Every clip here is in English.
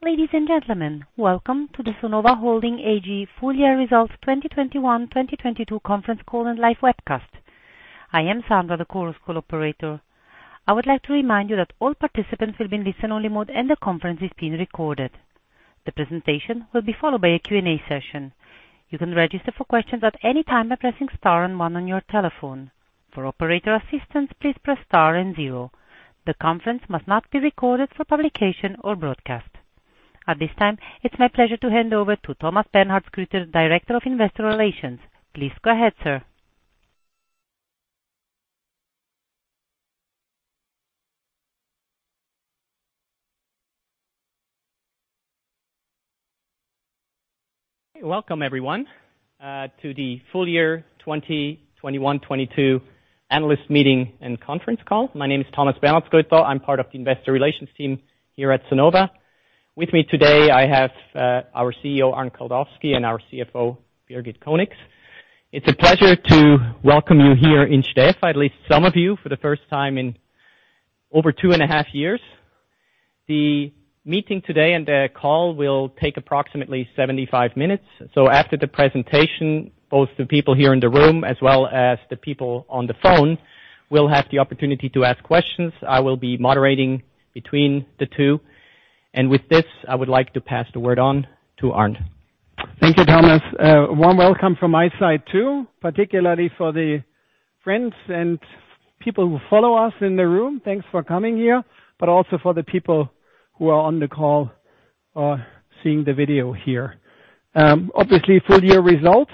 Ladies and gentlemen, welcome to the Sonova Holding AG Full Year Results 2021/2022 conference call and live webcast. I am Sandra, the Chorus Call operator. I would like to remind you that all participants will be in listen-only mode, and the conference is being recorded. The presentation will be followed by a Q&A session. You can register for questions at any time by pressing star and one on your telephone. For operator assistance, please press star and zero. The conference must not be recorded for publication or broadcast. At this time, it's my pleasure to hand over to Thomas Bernhardsgrütter, Director of Investor Relations. Please go ahead, sir. Welcome, everyone, to the full year 2021-2022 analyst meeting and conference call. My name is Thomas Bernhardsgrütter. I'm part of the investor relations team here at Sonova. With me today, I have our CEO, Arnd Kaldowski, and our CFO, Birgit Conix. It's a pleasure to welcome you here in Stäfa, at least some of you, for the first time in over two and a half years. The meeting today and the call will take approximately 75 minutes. After the presentation, both the people here in the room as well as the people on the phone will have the opportunity to ask questions. I will be moderating between the two. With this, I would like to pass the word on to Arnd. Thank you, Thomas. Warm welcome from my side, too, particularly for the friends and people who follow us in the room. Thanks for coming here, but also for the people who are on the call, seeing the video here. Obviously, full year results.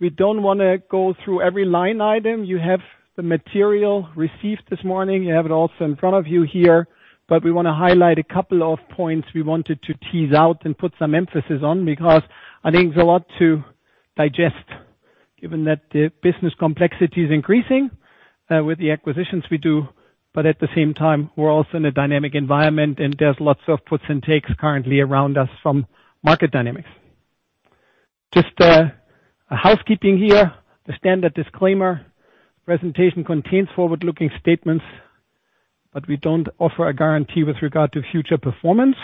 We don't wanna go through every line item. You have the material received this morning. You have it also in front of you here, but we wanna highlight a couple of points we wanted to tease out and put some emphasis on because I think it's a lot to digest given that the business complexity is increasing, with the acquisitions we do. At the same time, we're also in a dynamic environment, and there's lots of puts and takes currently around us from market dynamics. Just, a housekeeping here. The standard disclaimer, presentation contains forward-looking statements, but we don't offer a guarantee with regard to future performance.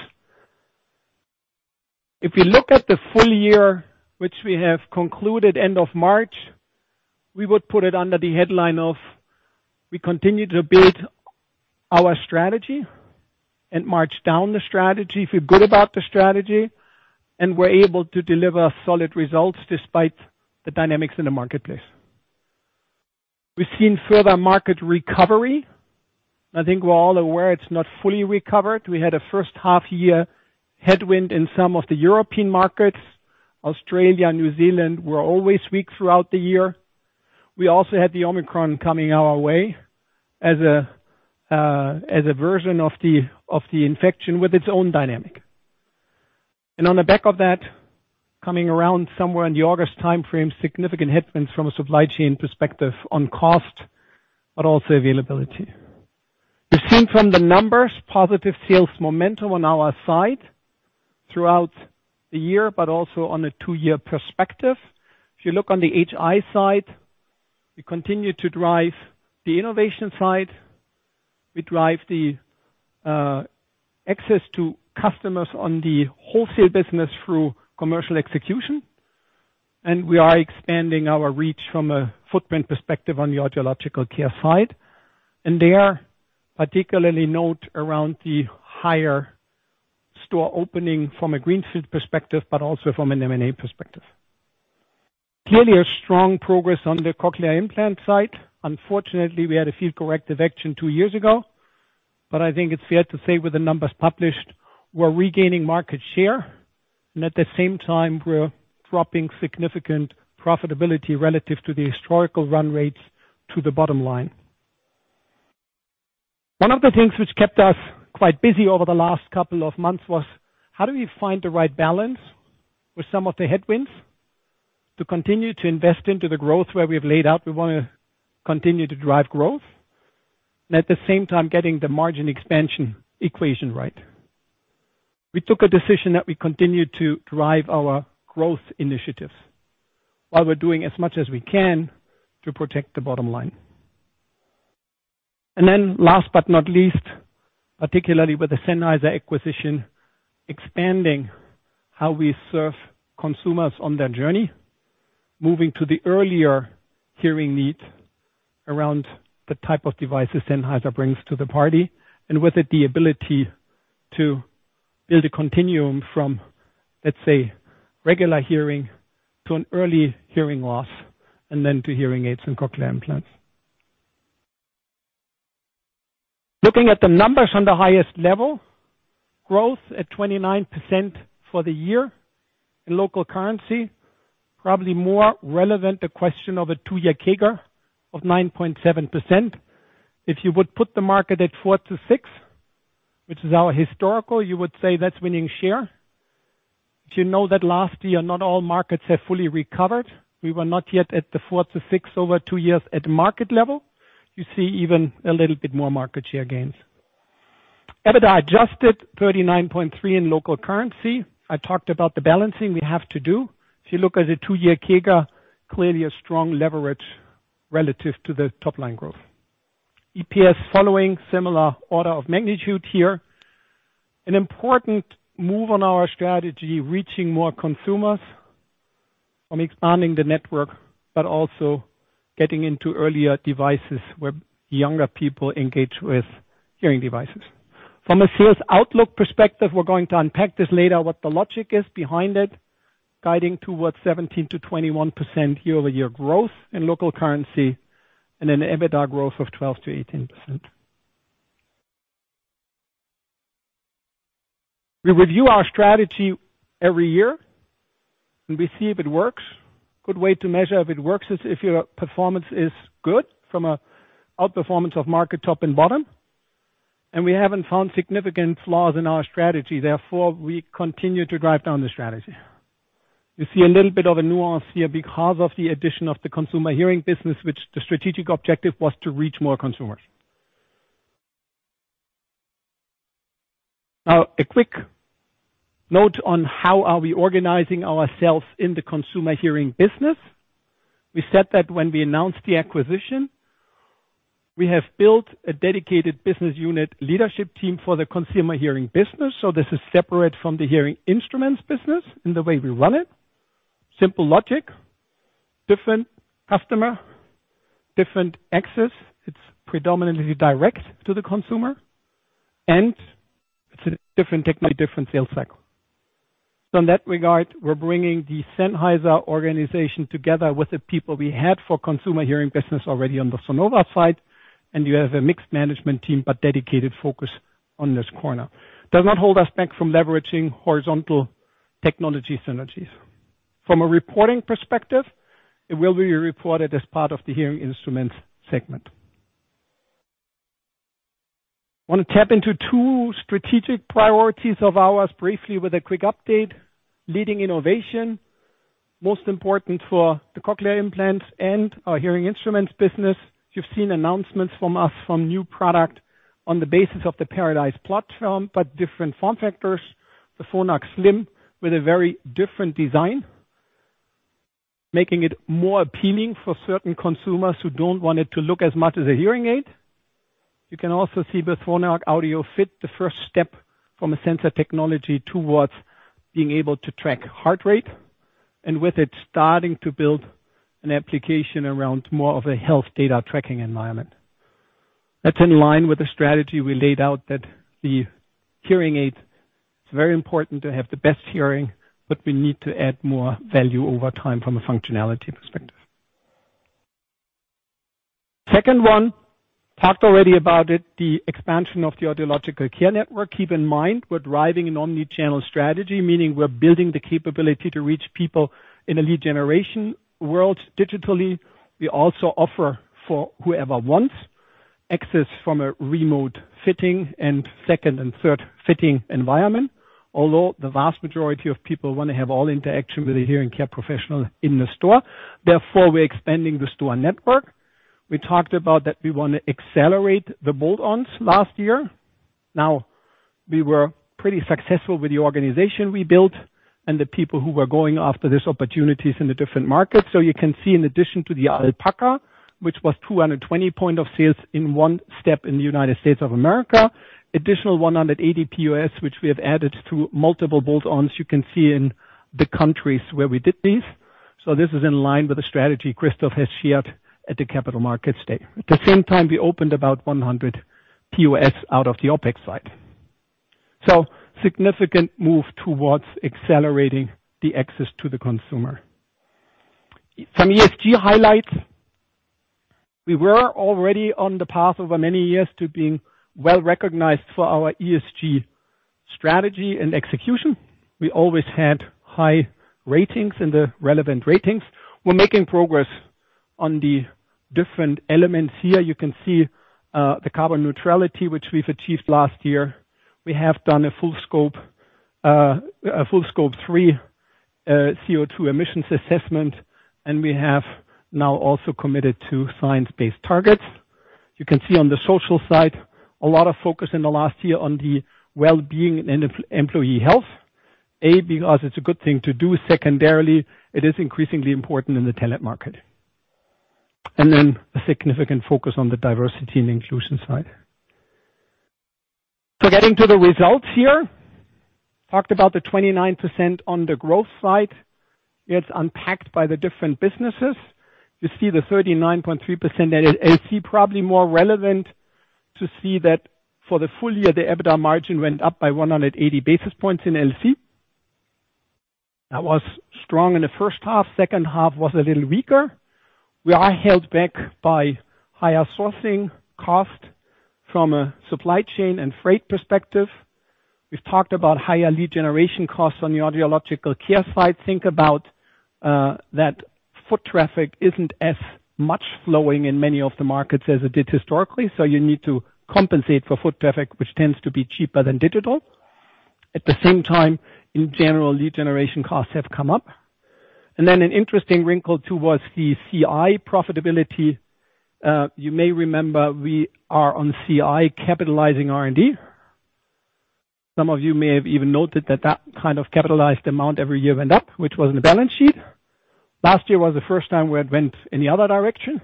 If you look at the full year, which we have concluded end of March, we would put it under the headline of We Continue to Build Our Strategy and march down the strategy. Feel good about the strategy, and we're able to deliver solid results despite the dynamics in the marketplace. We've seen further market recovery. I think we're all aware it's not fully recovered. We had a first half year headwind in some of the European markets. Australia and New Zealand were always weak throughout the year. We also had the Omicron coming our way as a version of the infection with its own dynamic. On the back of that, coming around somewhere in the August timeframe, significant headwinds from a supply chain perspective on cost but also availability. You've seen from the numbers positive sales momentum on our side throughout the year, but also on a two-year perspective. If you look on the HI side, we continue to drive the innovation side. We drive the access to customers on the wholesale business through commercial execution, and we are expanding our reach from a footprint perspective on the audiological care side. There, particularly note around the higher store opening from a greenfield perspective, but also from an M&A perspective. Clearly a strong progress on the cochlear implant side. Unfortunately, we had a few corrective action two years ago, but I think it's fair to say that with the numbers published, we're regaining market share. At the same time, we're driving significant profitability relative to the historical run rates to the bottom line. One of the things which kept us quite busy over the last couple of months was how do we find the right balance with some of the headwinds to continue to invest into the growth where we have laid out we wanna continue to drive growth, and at the same time getting the margin expansion equation right. We took a decision that we continue to drive our growth initiatives while we're doing as much as we can to protect the bottom line. Last but not least, particularly with the Sennheiser acquisition, expanding how we serve consumers on their journey, moving to the earlier hearing needs around the type of devices Sennheiser brings to the party, and with it, the ability to build a continuum from, let's say, regular hearing to an early hearing loss and then to hearing aids and cochlear implants. Looking at the numbers on the highest level, growth at 29% for the year in local currency, probably more relevant the question of a two-year CAGR of 9.7%. If you would put the market at 4%-6%, which is our historical, you would say that's winning share. You know that last year, not all markets have fully recovered. We were not yet at the 4%-6% over two years at market level. You see even a little bit more market share gains. EBITDA Adjusted 39.3 in local currency. I talked about the balancing we have to do. If you look at the two-year CAGR, clearly a strong leverage relative to the top line growth. EPS following similar order of magnitude here. An important move on our strategy, reaching more consumers on expanding the network, but also getting into earlier devices where younger people engage with hearing devices. From a sales outlook perspective, we're going to unpack this later, what the logic is behind it, guiding towards 17%-21% year-over-year growth in local currency and an EBITDA growth of 12%-18%. We review our strategy every year and we see if it works. Good way to measure if it works is if your performance is good from an outperformance of market top and bottom. We haven't found significant flaws in our strategy, therefore, we continue to double down on the strategy. You see a little bit of a nuance here because of the addition of the consumer hearing business, which the strategic objective was to reach more consumers. Now a quick note on how are we organizing ourselves in the consumer hearing business. We said that when we announced the acquisition, we have built a dedicated business unit leadership team for the consumer hearing business. This is separate from the hearing instruments business in the way we run it. Simple logic, different customer, different access. It's predominantly direct to the consumer, and it's a different technique, different sales cycle. In that regard, we're bringing the Sennheiser organization together with the people we had for consumer hearing business already on the Sonova side. You have a mixed management team, but dedicated focus on this corner. Does not hold us back from leveraging horizontal technology synergies. From a reporting perspective, it will be reported as part of the hearing instruments segment. Want to tap into two strategic priorities of ours briefly with a quick update. Leading innovation, most important for the cochlear implants and our hearing instruments business. You've seen announcements from us on new product on the basis of the Paradise platform, but different form factors. The Phonak Slim with a very different design, making it more appealing for certain consumers who don't want it to look as much as a hearing aid. You can also see the Phonak Audéo Fit, the first step from a sensor technology towards being able to track heart rate, and with it, starting to build an application around more of a health data tracking environment. That's in line with the strategy we laid out, that the hearing aid is very important to have the best hearing, but we need to add more value over time from a functionality perspective. Second one, talked already about it, the expansion of the audiological care network. Keep in mind, we're driving an omni-channel strategy, meaning we're building the capability to reach people in a lead generation world digitally. We also offer for whoever wants access from a remote fitting and second and third fitting environment. Although the vast majority of people want to have all interaction with a hearing care professional in the store, therefore, we're expanding the store network. We talked about that we want to accelerate the bolt-ons last year. Now, we were pretty successful with the organization we built and the people who were going after these opportunities in the different markets. You can see in addition to the Alpaca, which was 220 POS in one step in the United States of America, additional 180 POS, which we have added through multiple bolt-ons. You can see in the countries where we did these. This is in line with the strategy Christophe has shared at the Capital Markets Day. At the same time, we opened about 100 POS out of the OpEx side. Significant move towards accelerating the access to the consumer. Some ESG highlights. We were already on the path over many years to being well-recognized for our ESG strategy and execution. We always had high ratings in the relevant ratings. We're making progress on the different elements here. You can see the carbon neutrality, which we've achieved last year. We have done a full scope three CO2 emissions assessment, and we have now also committed to science-based targets. You can see on the social side, a lot of focus in the last year on the well-being and employee health, because it's a good thing to do. Secondarily, it is increasingly important in the talent market. Then a significant focus on the diversity and inclusion side. Getting to the results here. Talked about the 29% on the growth side. It's unpacked by the different businesses. You see the 39.3% at LC, probably more relevant to see that for the full year, the EBITDA margin went up by 180 basis points in LC. That was strong in the first half. Second half was a little weaker. We are held back by higher sourcing cost from a supply chain and freight perspective. We've talked about higher lead generation costs on the audiological care side. Think about that foot traffic isn't as much flowing in many of the markets as it did historically. You need to compensate for foot traffic, which tends to be cheaper than digital. At the same time, in general, lead generation costs have come up. An interesting wrinkle too was the CI profitability. You may remember we are on CI capitalizing R&D. Some of you may have even noted that kind of capitalized amount every year went up, which was in the balance sheet. Last year was the first time where it went in the other direction.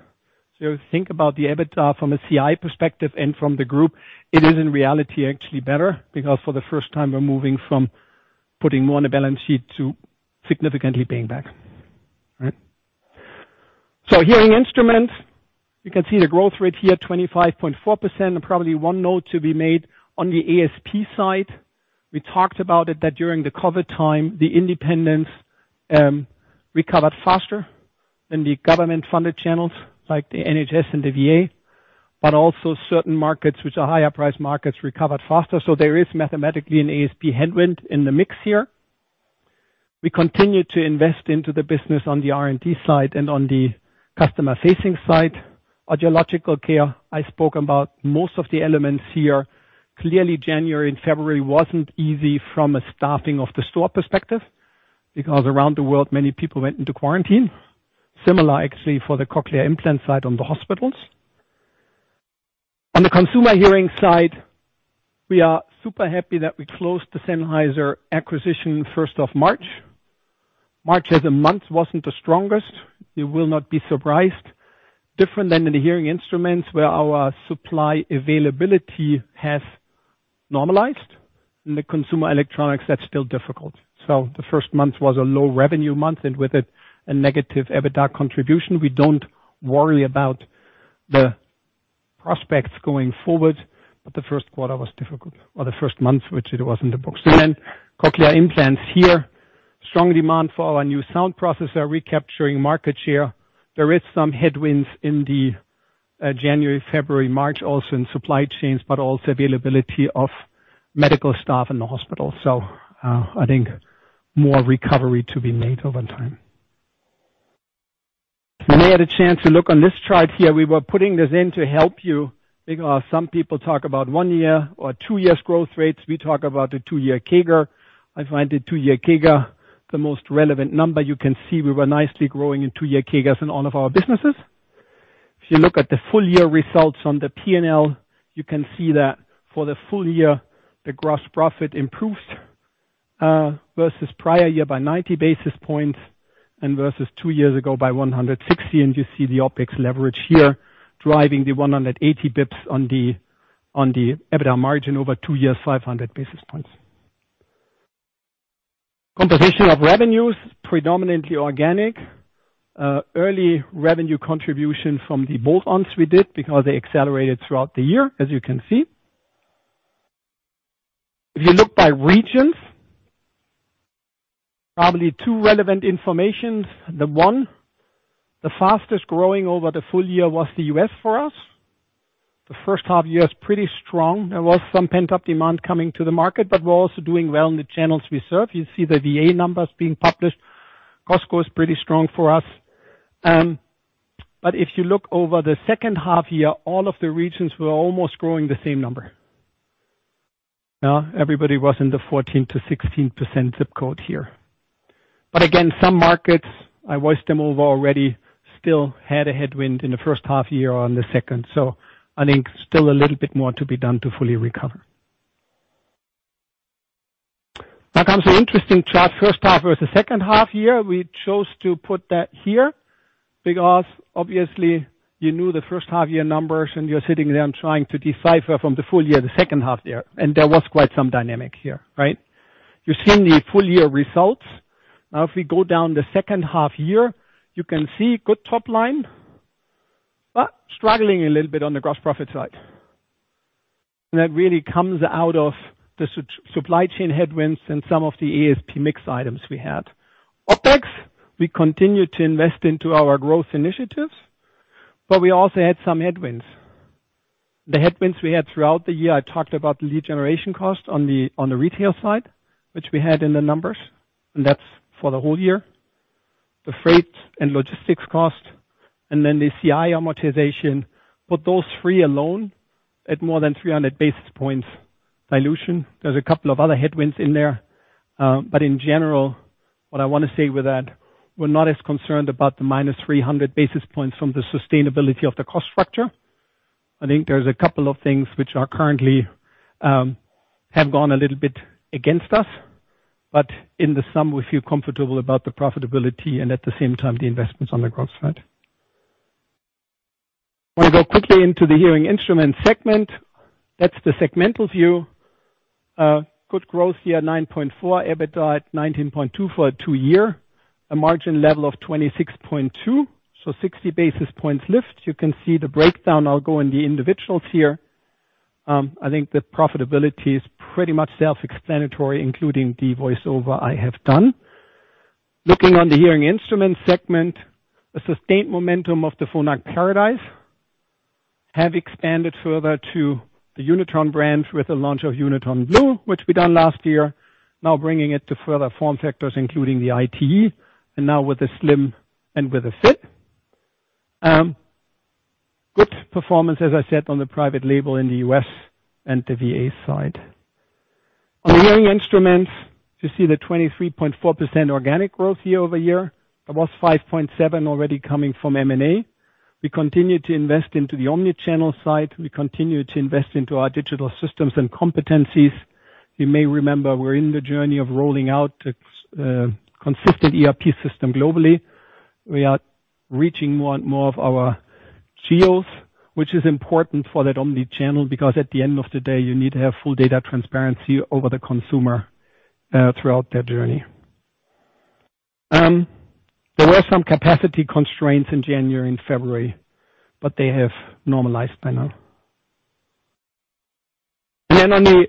Think about the EBITDA from a CI perspective and from the group, it is in reality, actually better because for the first time, we're moving from putting more on the balance sheet to significantly paying back. Right? Hearing instruments, you can see the growth rate here, 25.4%. Probably one note to be made on the ASP side. We talked about it that during the COVID time, the independents, recovered faster than the government-funded channels like the NHS and the VA, but also certain markets which are higher price markets recovered faster. There is mathematically an ASP headwind in the mix here. We continue to invest into the business on the R&D side and on the customer-facing side. Audiological care, I spoke about most of the elements here. Clearly, January and February wasn't easy from a staffing of the store perspective, because around the world, many people went into quarantine. Similar, actually, for the cochlear implant side on the hospitals. On the consumer hearing side, we are super happy that we closed the Sennheiser acquisition first of March. March as a month wasn't the strongest. You will not be surprised. Different than in the hearing instruments where our supply availability has normalized. In the consumer electronics, that's still difficult. So the first month was a low revenue month, and with it, a negative EBITDA contribution. We don't worry about the prospects going forward, but the first quarter was difficult or the first month, which it was in the books. Then cochlear implants here. Strong demand for our new sound processor, recapturing market share. There is some headwinds in the January, February, March, also in supply chains, but also availability of medical staff in the hospital. I think more recovery to be made over time. When I had a chance to look on this chart here, we were putting this in to help you because some people talk about one year or two years growth rates. We talk about the two-year CAGR. I find the two-year CAGR the most relevant number. You can see we were nicely growing in two-year CAGRs in all of our businesses. If you look at the full year results on the P&L, you can see that for the full year, the gross profit improved versus prior year by 90 basis points and versus two years ago by 160. You see the OpEx leverage here, driving the 180 basis points on the EBITDA margin over two years, 500 basis points. Composition of revenues, predominantly organic. Early revenue contribution from the bolt-ons we did because they accelerated throughout the year, as you can see. If you look by regions, probably two relevant information. One, the fastest growing over the full year was the U.S. for us. The first half year is pretty strong. There was some pent-up demand coming to the market, but we're also doing well in the channels we serve. You see the VA numbers being published. Costco is pretty strong for us. If you look over the second half year, all of the regions were almost growing the same number. Everybody was in the 14%-16% ZIP code here. Again, some markets, I voiced them over already, still had a headwind in the first half year or in the second. I think still a little bit more to be done to fully recover. Now comes an interesting chart, first half versus the second half year. We chose to put that here because obviously you knew the first half year numbers and you're sitting there trying to decipher from the full year, the second half-year. There was quite some dynamic here, right? You've seen the full year results. Now, if we go down the second half year, you can see good top line, but struggling a little bit on the gross profit side. That really comes out of the supply chain headwinds and some of the ASP mix items we had. OpEx, we continued to invest into our growth initiatives, but we also had some headwinds. The headwinds we had throughout the year, I talked about lead generation costs on the retail side, which we had in the numbers, and that's for the whole year. The freight and logistics cost, and then the CI amortization. Those three alone, at more than 300 basis points dilution. There's a couple of other headwinds in there. In general, what I wanna say with that, we're not as concerned about the minus 300 basis points from the sustainability of the cost structure. I think there's a couple of things which are currently, have gone a little bit against us, but in the sum, we feel comfortable about the profitability and at the same time, the investments on the growth side. Wanna go quickly into the hearing instrument segment. That's the segmental view. Good growth year, 9.4%. EBITDA at 19.2% for FY22. A margin level of 26.2%, so 60 basis points lift. You can see the breakdown. I'll go into the individuals here. I think the profitability is pretty much self-explanatory, including the voice-over I have done. Looking at the hearing instruments segment, a sustained momentum of the Phonak Paradise has expanded further to the Unitron brand with the launch of Unitron Blu, which we done last year. Now bringing it to further form factors, including the ITE, and now with the slim and with the fit. Good performance, as I said, on the private label in the U.S. and the VA side. On hearing instruments, you see the 23.4% organic growth year-over-year. That was 5.7% already coming from M&A. We continue to invest into the omni-channel side. We continue to invest into our digital systems and competencies. You may remember we're in the journey of rolling out consistent ERP system globally. We are reaching more and more of our geos, which is important for that omni-channel because at the end of the day, you need to have full data transparency over the consumer throughout their journey. There were some capacity constraints in January and February, but they have normalized by now. On the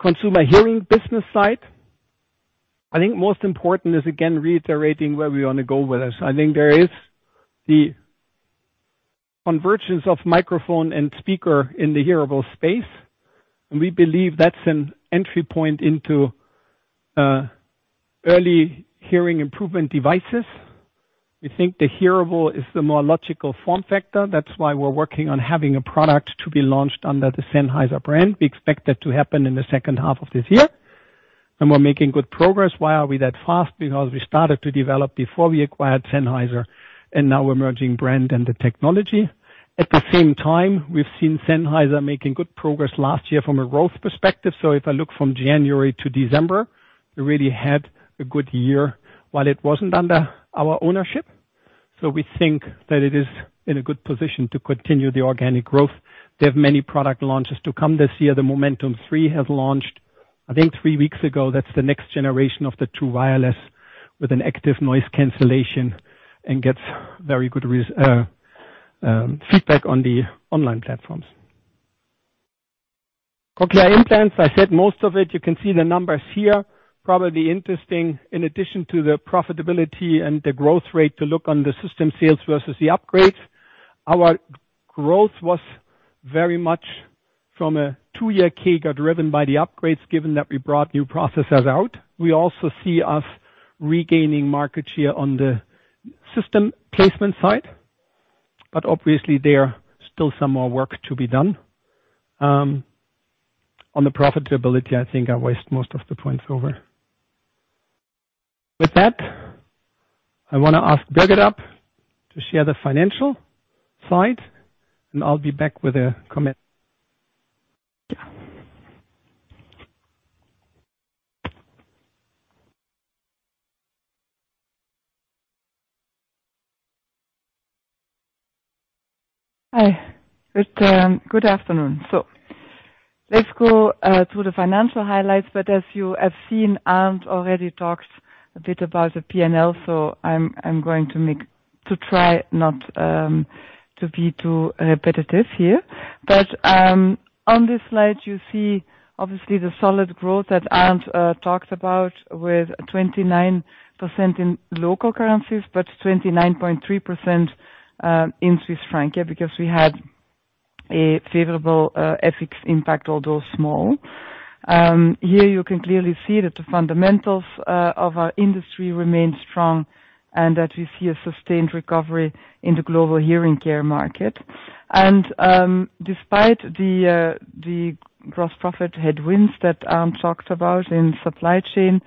consumer hearing business side, I think most important is again reiterating where we wanna go with this. I think there is the convergence of microphone and speaker in the hearable space, and we believe that's an entry point into early hearing improvement devices. We think the hearable is the more logical form factor. That's why we're working on having a product to be launched under the Sennheiser brand. We expect that to happen in the second half of this year, and we're making good progress. Why are we that fast? Because we started to develop before we acquired Sennheiser, and now we're merging brand and the technology. At the same time, we've seen Sennheiser making good progress last year from a growth perspective. If I look from January to December, we really had a good year while it wasn't under our ownership. We think that it is in a good position to continue the organic growth. They have many product launches to come this year. The Momentum 3 has launched, I think three weeks ago. That's the next generation of the True Wireless 2 with an active noise cancellation and gets very good feedback on the online platforms. Cochlear implants, I said most of it, you can see the numbers here. Probably interesting in addition to the profitability and the growth rate to look at the system sales versus the upgrades. Our growth was very much from a two-year cycle, got driven by the upgrades, given that we brought new processors out. We also see ourselves regaining market share on the system placement side, but obviously there's still some more work to be done. On the profitability, I think I've made most of the points already. With that, I wanna ask Birgit to share the financial side, and I'll be back with a comment. Hi. Good afternoon. Let's go through the financial highlights. As you have seen, Arnd already talked a bit about the P&L, so I'm going to try not to be too repetitive here. On this slide you see obviously the solid growth that Arnd talked about with 29% in local currencies, but 29.3% in CHF. Yeah, because we had a favorable FX impact, although small. Here you can clearly see that the fundamentals of our industry remain strong and that we see a sustained recovery in the global hearing care market. Despite the gross profit headwinds that Arnd talked about in supply chain,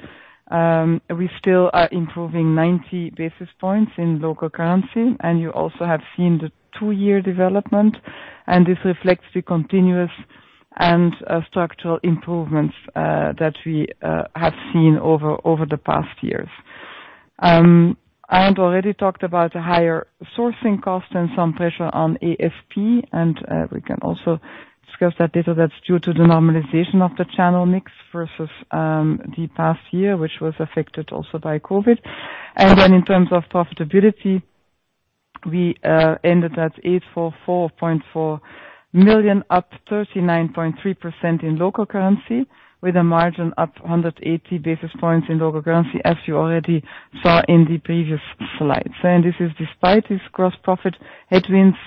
we still are improving 90 basis points in local currency. You also have seen the two-year development and this reflects the continuous and structural improvements that we have seen over the past years. Arnd already talked about the higher sourcing cost and some pressure on ASP and we can also discuss that later. That's due to the normalization of the channel mix versus the past year, which was affected also by COVID. Then in terms of profitability, we ended at 844.4 million, up 39.3% in local currency with a margin up 180 basis points in local currency as you already saw in the previous slides. This is despite this gross profit headwinds,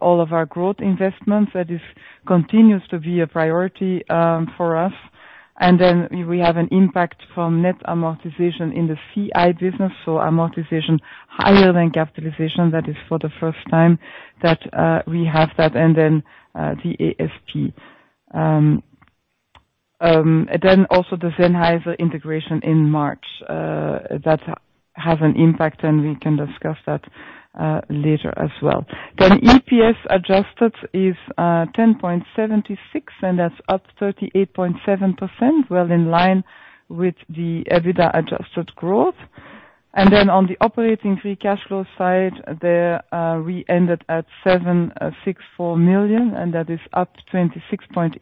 all of our growth investments, that is continues to be a priority for us. We have an impact from net amortization in the CI business, so amortization higher than capitalization. That is for the first time that we have that. The ASP. Also the Sennheiser integration in March, that has an impact and we can discuss that later as well. EPS Adjusted is 10.76, and that's up 38.7%, well in line with the EBITDA Adjusted growth. On the operating free cash flow side there, we ended at 764 million, and that is up 26.8%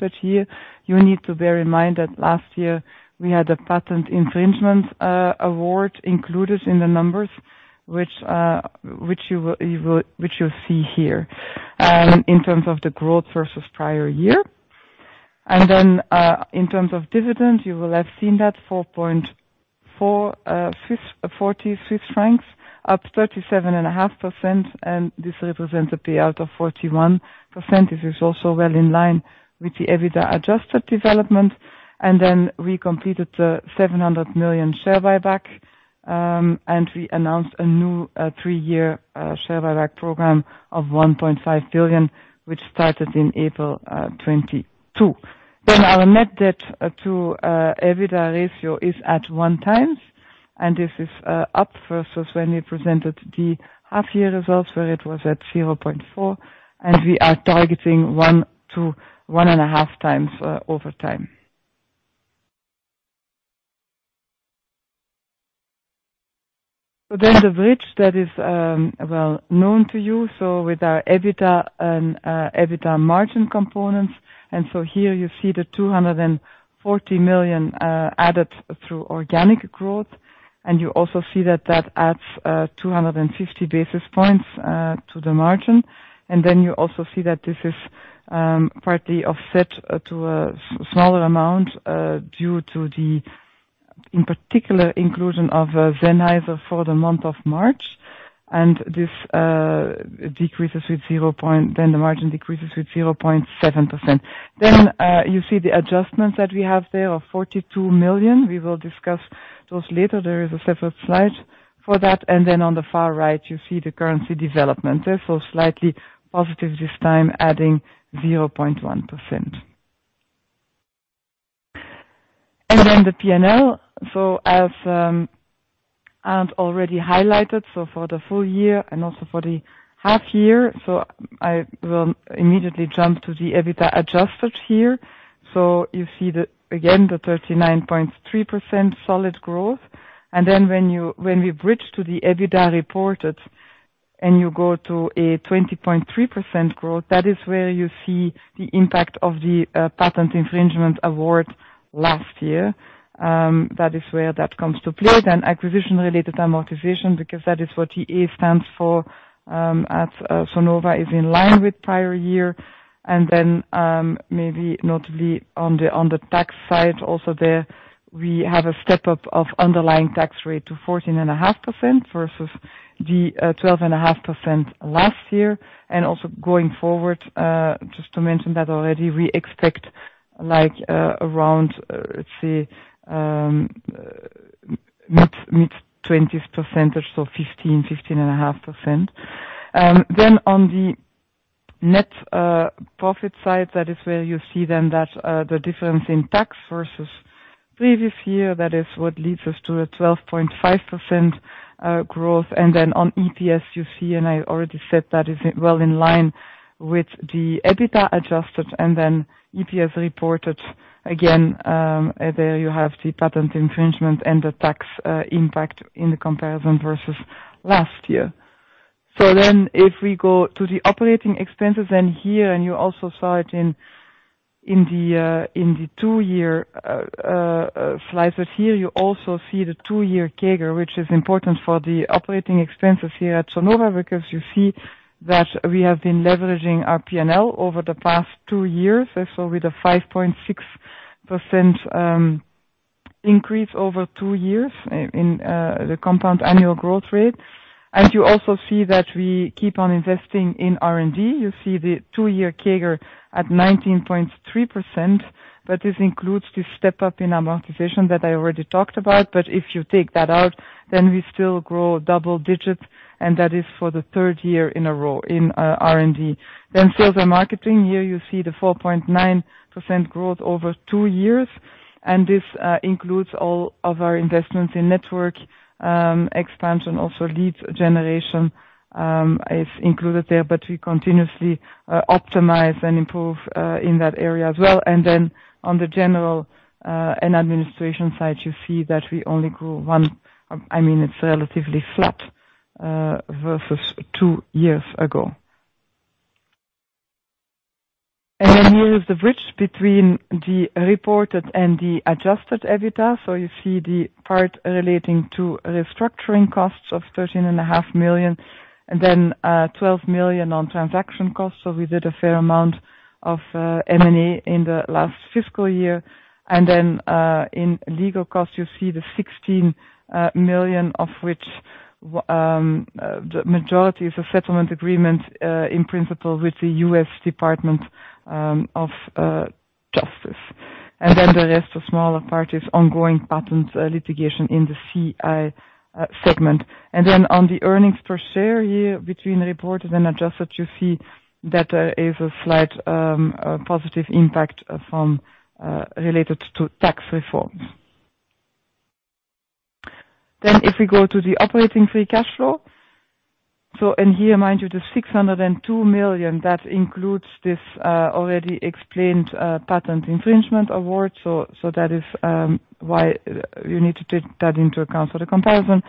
that year. You need to bear in mind that last year we had a patent infringement award included in the numbers which you'll see here in terms of the growth versus prior year. In terms of dividends, you will have seen that forty Swiss francs up 37.5%, and this represents a payout of 41%. This is also well in line with the EBITDA Adjusted development. We completed the 700 million share buyback, and we announced a new three-year share buyback program of 1.5 billion, which started in April 2022. Our net debt to EBITDA ratio is at 1x, and this is up versus when we presented the half year results, where it was at 0.4, and we are targeting 1 to 1.5x over time. The bridge that is well known to you with our EBITDA and EBITDA margin components, and here you see the 240 million added through organic growth. You also see that that adds 250 basis points to the margin. You also see that this is partly offset to a smaller amount due to the, in particular, inclusion of Sennheiser for the month of March. This decreases the margin with 0.7%. You see the adjustments that we have there of 42 million. We will discuss those later. There is a separate slide for that. On the far right, you see the currency development there. Slightly positive this time, adding 0.1%. The P&L. As Arnd already highlighted, for the full year and also for the half year, I will immediately jump to the EBITDA Adjusted here. You see again the 39.3% solid growth. Then when we bridge to the EBITDA reported and you go to a 20.3% growth, that is where you see the impact of the patent infringement award last year. That is where that comes to play. Then acquisition-related amortization, because that is what ARA stands for at Sonova, is in line with prior year. Maybe notably on the tax side, also there we have a step up of underlying tax rate to 14.5% versus the 12.5% last year. Also going forward, just to mention that already we expect, like, around, let's say, mid-20s percentage, so 15.5%. Then on the net profit side, that is where you see then that the difference in tax versus previous year, that is what leads us to a 12.5% growth. Then on EPS, you see, and I already said that is well in line with the EBITDA Adjusted and then EPS reported again, there you have the patent infringement and the tax impact in the comparison versus last year. If we go to the operating expenses, then here and you also saw it in the 2-year slices here, you also see the two-year CAGR, which is important for the operating expenses here at Sonova, because you see that we have been leveraging our P&L over the past two years with a 5.6% increase over two years in the compound annual growth rate. You also see that we keep on investing in R&D. You see the two-year CAGR at 19.3%, but this includes the step up in amortization that I already talked about. If you take that out, then we still grow double digits, and that is for the third year in a row in R&D. Sales and marketing, here you see the 4.9% growth over two years. This includes all of our investments in network expansion, also lead generation is included there, but we continuously optimize and improve in that area as well. On the general and administrative side, you see that we only grew 1%. I mean, it's relatively flat versus two years ago. Here is the bridge between the reported and the Adjusted EBITDA. You see the part relating to restructuring costs of 13.5 million, and then 12 million on transaction costs. We did a fair amount of M&A in the last fiscal year. In legal costs, you see the 16 million of which the majority is a settlement agreement in principle with the United States Department of Justice. The rest of smaller part is ongoing patent litigation in the CI segment. On the earnings per share here between reported and adjusted, you see that is a slight positive impact from related to tax reforms. If we go to the operating free cash flow. In here, mind you, the 602 million that includes this already explained patent infringement award. That is why you need to take that into account for the comparison.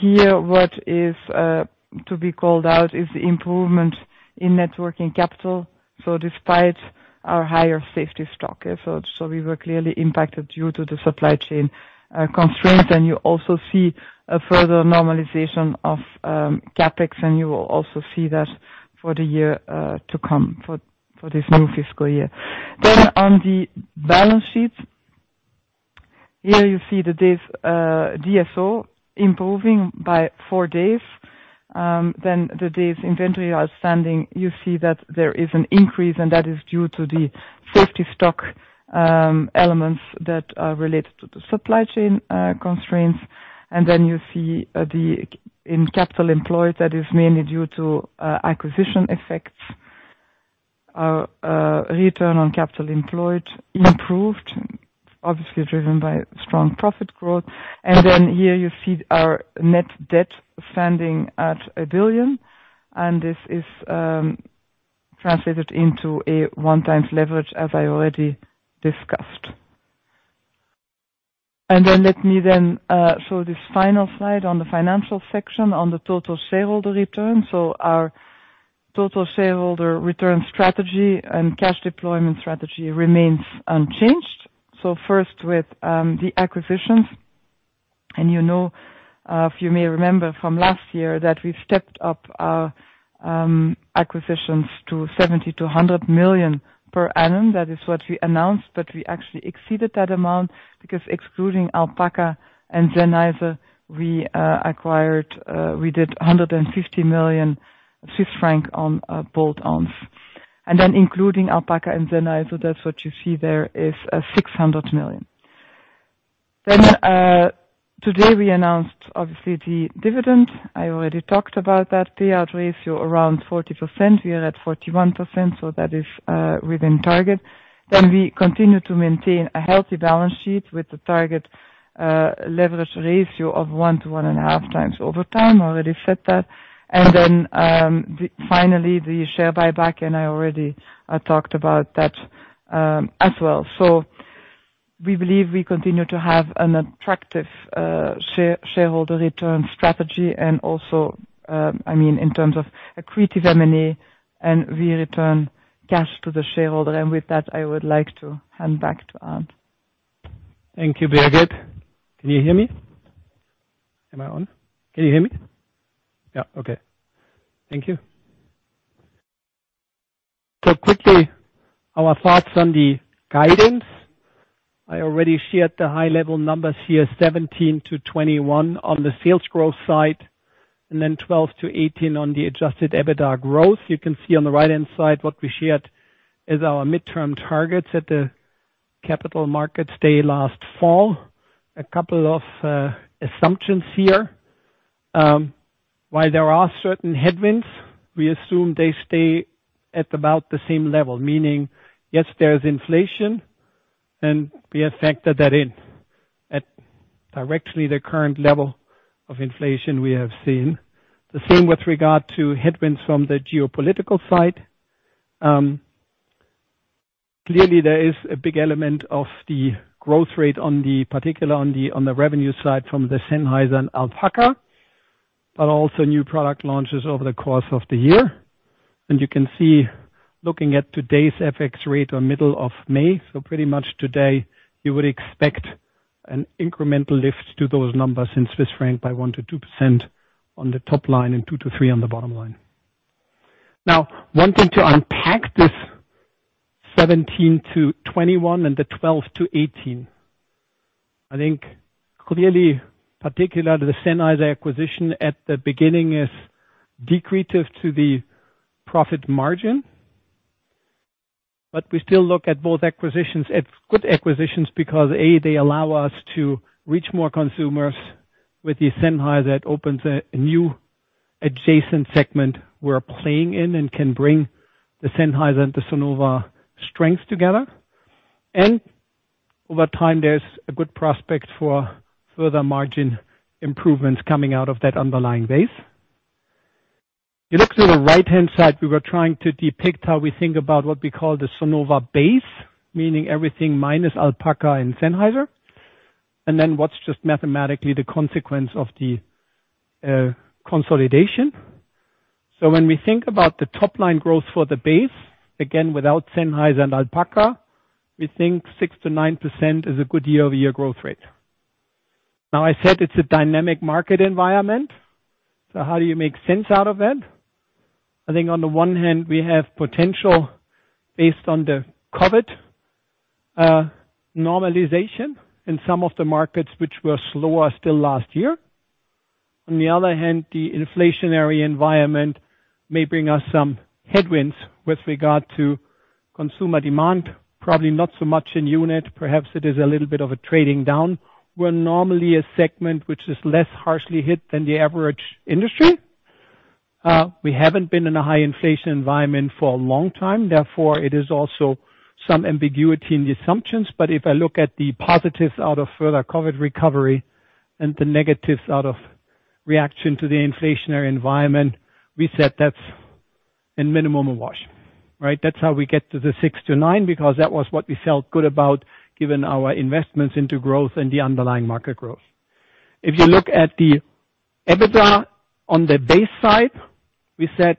Here what is to be called out is the improvement in net working capital. Despite our higher safety stock. We were clearly impacted due to the supply chain constraints. You also see a further normalization of CapEx, and you will also see that for the year to come for this new fiscal year. On the balance sheet, here you see the days DSO improving by four days from the days inventory outstanding. You see that there is an increase, and that is due to the safety stock elements that are related to the supply chain constraints. You see in capital employed that is mainly due to acquisition effects. Return on capital employed improved, obviously driven by strong profit growth. Here you see our net debt standing at 1 billion and this is translated into a 1x leverage as I already discussed. Let me show this final slide on the financial section on the total shareholder return. Our total shareholder return strategy and cash deployment strategy remains unchanged. First with the acquisitions, and you know, if you may remember from last year, that we've stepped up our acquisitions to 70 -100 million per annum. That is what we announced, but we actually exceeded that amount because excluding Alpaca and Sennheiser, we did CHF 150 million on bolt-ons. Including Alpaca and Sennheiser, that's what you see there is 600 million. Today we announced obviously the dividend. I already talked about that payout ratio, around 40%. We are at 41%, so that is within target. We continue to maintain a healthy balance sheet with the target leverage ratio of 1-1.5x over time, already said that. Finally, the share buyback, and I already talked about that as well. We believe we continue to have an attractive shareholder return strategy and also, I mean, in terms of accretive M&A and we return cash to the shareholder. With that, I would like to hand back to Arnd. Thank you, Birgit. Can you hear me? Am I on? Can you hear me? Yeah. Okay. Thank you. Quickly, our thoughts on the guidance. I already shared the high-level numbers here, 17%-21% on the sales growth side, and then 12%-18% on the Adjusted EBITDA growth. You can see on the right-hand side what we shared as our mid-term targets at the capital markets day last fall. A couple of assumptions here. While there are certain headwinds, we assume they stay at about the same level. Meaning, yes, there is inflation, and we have factored that in at the current level of inflation we have seen. The same with regard to headwinds from the geopolitical side. Clearly there is a big element of the growth rate on the revenue side from the Sennheiser and Alpaca, but also new product launches over the course of the year. You can see, looking at today's FX rate in the middle of May, so pretty much today, you would expect an incremental lift to those numbers in Swiss francs by 1%-2% on the top line and 2%-3% on the bottom line. Now, wanting to unpack this 17%-21% and the 12%-18%. I think clearly particular to the Sennheiser acquisition at the beginning is accretive to the profit margin. We still look at both acquisitions as good acquisitions because, A, they allow us to reach more consumers. With the Sennheiser, it opens a new adjacent segment we're playing in and can bring the Sennheiser and the Sonova strengths together. Over time, there's a good prospect for further margin improvements coming out of that underlying base. You look to the right-hand side, we were trying to depict how we think about what we call the Sonova base, meaning everything minus Alpaca and Sennheiser, and then what's just mathematically the consequence of the consolidation. When we think about the top line growth for the base, again, without Sennheiser and Alpaca, we think 6%-9% is a good year-over-year growth rate. Now, I said it's a dynamic market environment, so how do you make sense out of that? I think on the one hand, we have potential based on the COVID normalization in some of the markets which were slower still last year. On the other hand, the inflationary environment may bring us some headwinds with regard to consumer demand. Probably not so much in the unit. Perhaps it is a little bit of a trading down. We're normally a segment which is less harshly hit than the average industry. We haven't been in a high inflation environment for a long time, therefore, it is also some ambiguity in the assumptions. But if I look at the positives out of further COVID recovery and the negatives out of reaction to the inflationary environment, we said that's in minimum a wash, right? That's how we get to the 6%-9%, because that was what we felt good about given our investments into growth and the underlying market growth. If you look at the EBITDA on the base side, we said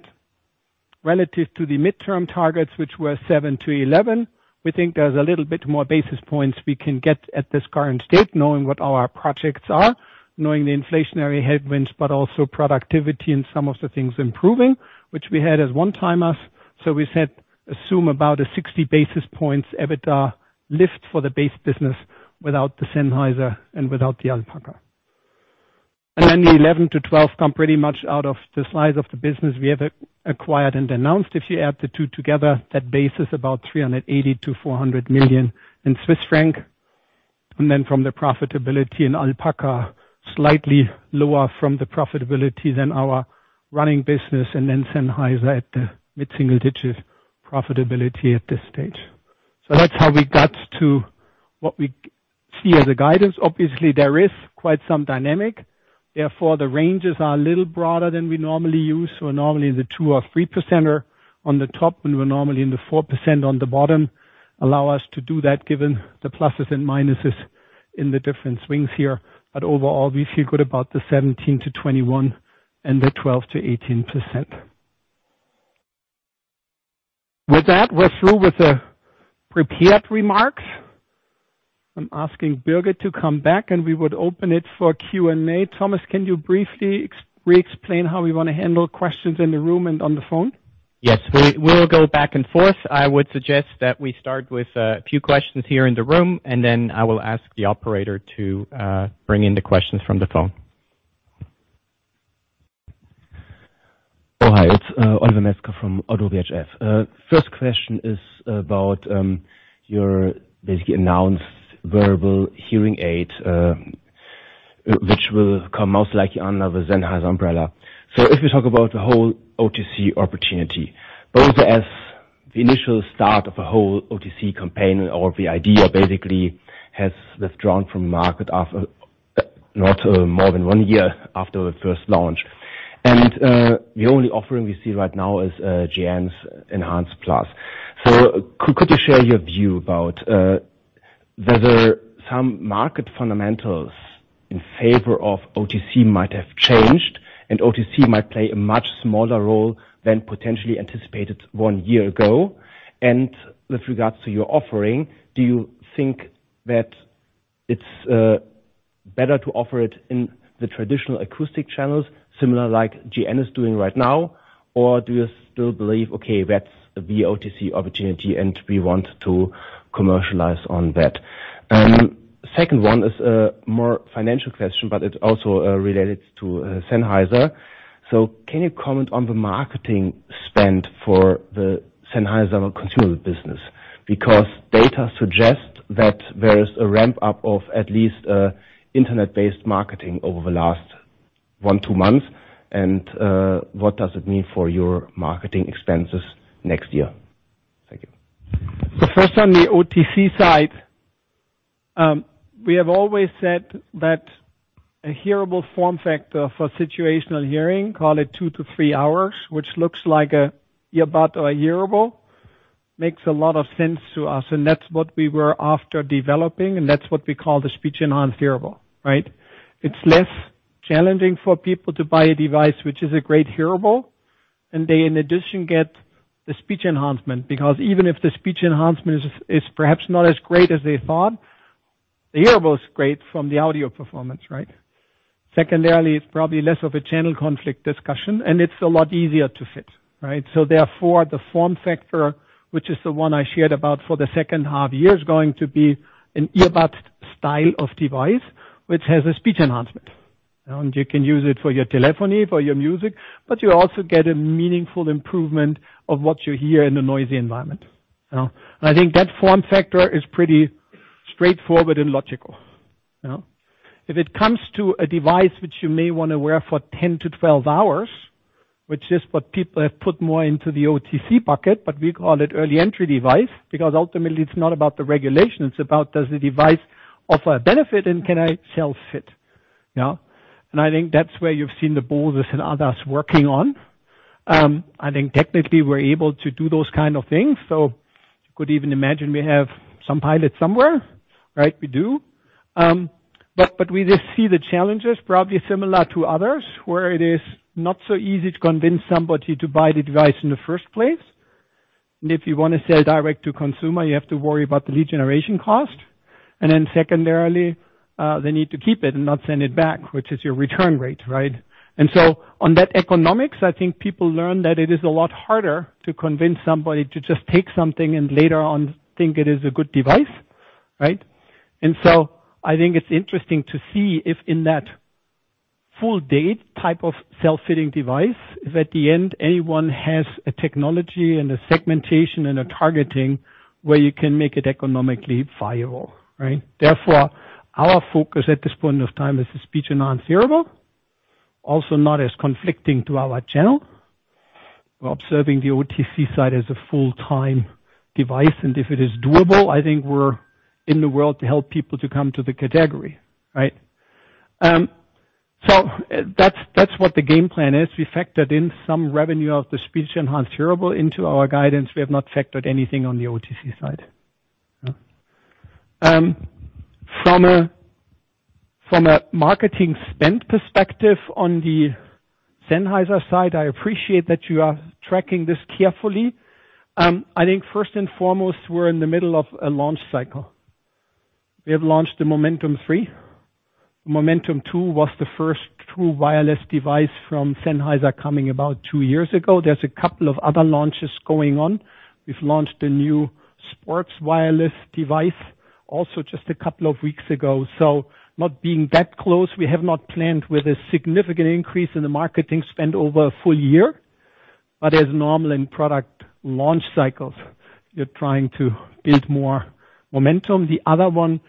relative to the mid-term targets, which were 7%-11%, we think there's a little bit more basis points we can get at this current state, knowing what our projects are, knowing the inflationary headwinds, but also productivity and some of the things improving, which we had as one-timers. We said assume about a 60 basis points EBITDA lift for the base business without the Sennheiser and without the Alpaca. Then the 11%-12% come pretty much out of the size of the business we have acquired and announced. If you add the two together, that base is about 380- 400 million. Then from the profitability in Alpaca, slightly lower from the profitability than our running business, and then Sennheiser at the mid-single digits profitability at this stage. That's how we got to what we see as a guidance. Obviously, there is quite some dynamic, therefore, the ranges are a little broader than we normally use. Normally the two or 3% error on the top, when we're normally in the 4% on the bottom, allow us to do that given the pluses and minuses in the different swings here. Overall, we feel good about the 17%-21% and the 12%-18%. With that, we're through with the prepared remarks. I'm asking Birgit to come back, and we would open it for Q&A. Thomas, can you briefly re-explain how we wanna handle questions in the room and on the phone? Yes. We'll go back and forth. I would suggest that we start with a few questions here in the room, and then I will ask the operator to bring in the questions from the phone. It's Oliver Metzger from Oddo BHF. First question is about your basically announced wearable hearing aid, which will come most likely under the Sennheiser umbrella. If we talk about the whole OTC opportunity, both as the initial start of a whole OTC campaign or the idea basically has withdrawn from market after not more than one year after the first launch. The only offering we see right now is GN's Jabra Enhance Plus. Could you share your view about whether some market fundamentals in favor of OTC might have changed and OTC might play a much smaller role than potentially anticipated one year ago? With regards to your offering, do you think that it's better to offer it in the traditional acoustic channels, similar like GN is doing right now or do you still believe, okay, that's the OTC opportunity and we want to commercialize on that? Second one is a more financial question, but it's also related to Sennheiser. Can you comment on the marketing spend for the Sennheiser consumer business? Because data suggests that there is a ramp-up of at least internet-based marketing over the last one or two months. What does it mean for your marketing expenses next year? Thank you. The first on the OTC side, we have always said that a hearable form factor for situational hearing, call it two to three hours, which looks like an earbud or a hearable, makes a lot of sense to us, and that's what we were after developing, and that's what we call the speech enhanced hearable, right? It's less challenging for people to buy a device which is a great hearable, and they, in addition, get the speech enhancement, because even if the speech enhancement is perhaps not as great as they thought, the hearable is great from the audio performance, right? Secondarily, it's probably less of a channel conflict discussion, and it's a lot easier to fit, right? Therefore, the form factor, which is the one I shared about for the second half year, is going to be an earbud style of device which has a speech enhancement. You know, you can use it for your telephony, for your music, but you also get a meaningful improvement of what you hear in a noisy environment. You know, I think that form factor is pretty straightforward and logical. You know? If it comes to a device which you may wanna wear for 10-12 hours, which is what people have put more into the OTC bucket, but we call it early entry device, because ultimately it's not about the regulation, it's about does the device offer a benefit and can I self-fit? You know? I think that's where you've seen the Bose and others working on. I think technically we're able to do those kind of things. You could even imagine we have some pilots somewhere, right, we do. But we just see the challenges, probably similar to others, where it is not so easy to convince somebody to buy the device in the first place. If you wanna sell direct to consumer, you have to worry about the lead generation cost. Secondarily, they need to keep it and not send it back, which is your return rate, right? On that economics, I think people learn that it is a lot harder to convince somebody to just take something and later on think it is a good device, right? I think it's interesting to see if in that full-fledged type of self-fitting device, if at the end anyone has a technology and a segmentation and a targeting where you can make it economically viable, right? Therefore, our focus at this point of time is the speech enhanced hearable, also not as conflicting to our channel. We're observing the OTC side as a full-fledged device, and if it is doable, I think we're in the world to help people to come to the category, right? That's what the game plan is. We factored in some revenue of the speech enhanced hearable into our guidance. We have not factored anything on the OTC side. From a marketing spend perspective on the Sennheiser side, I appreciate that you are tracking this carefully. I think first and foremost, we're in the middle of a launch cycle. We have launched the Momentum 3. Momentum 2 was the first true wireless device from Sennheiser coming about two years ago. There's a couple of other launches going on. We've launched a new sports wireless device. Also just a couple of weeks ago. Not being that close, we have not planned with a significant increase in the marketing spend over a full year. As normal in product launch cycles, you're trying to build more momentum. The other one,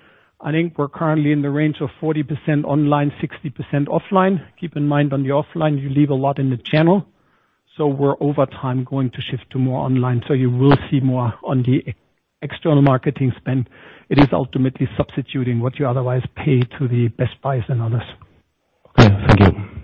I think we're currently in the range of 40% online, 60% offline. Keep in mind on the offline, you leave a lot in the channel, so we're over time going to shift to more online, so you will see more on the external marketing spend. It is ultimately substituting what you otherwise pay to the Best Buy and others. Okay. Thank you.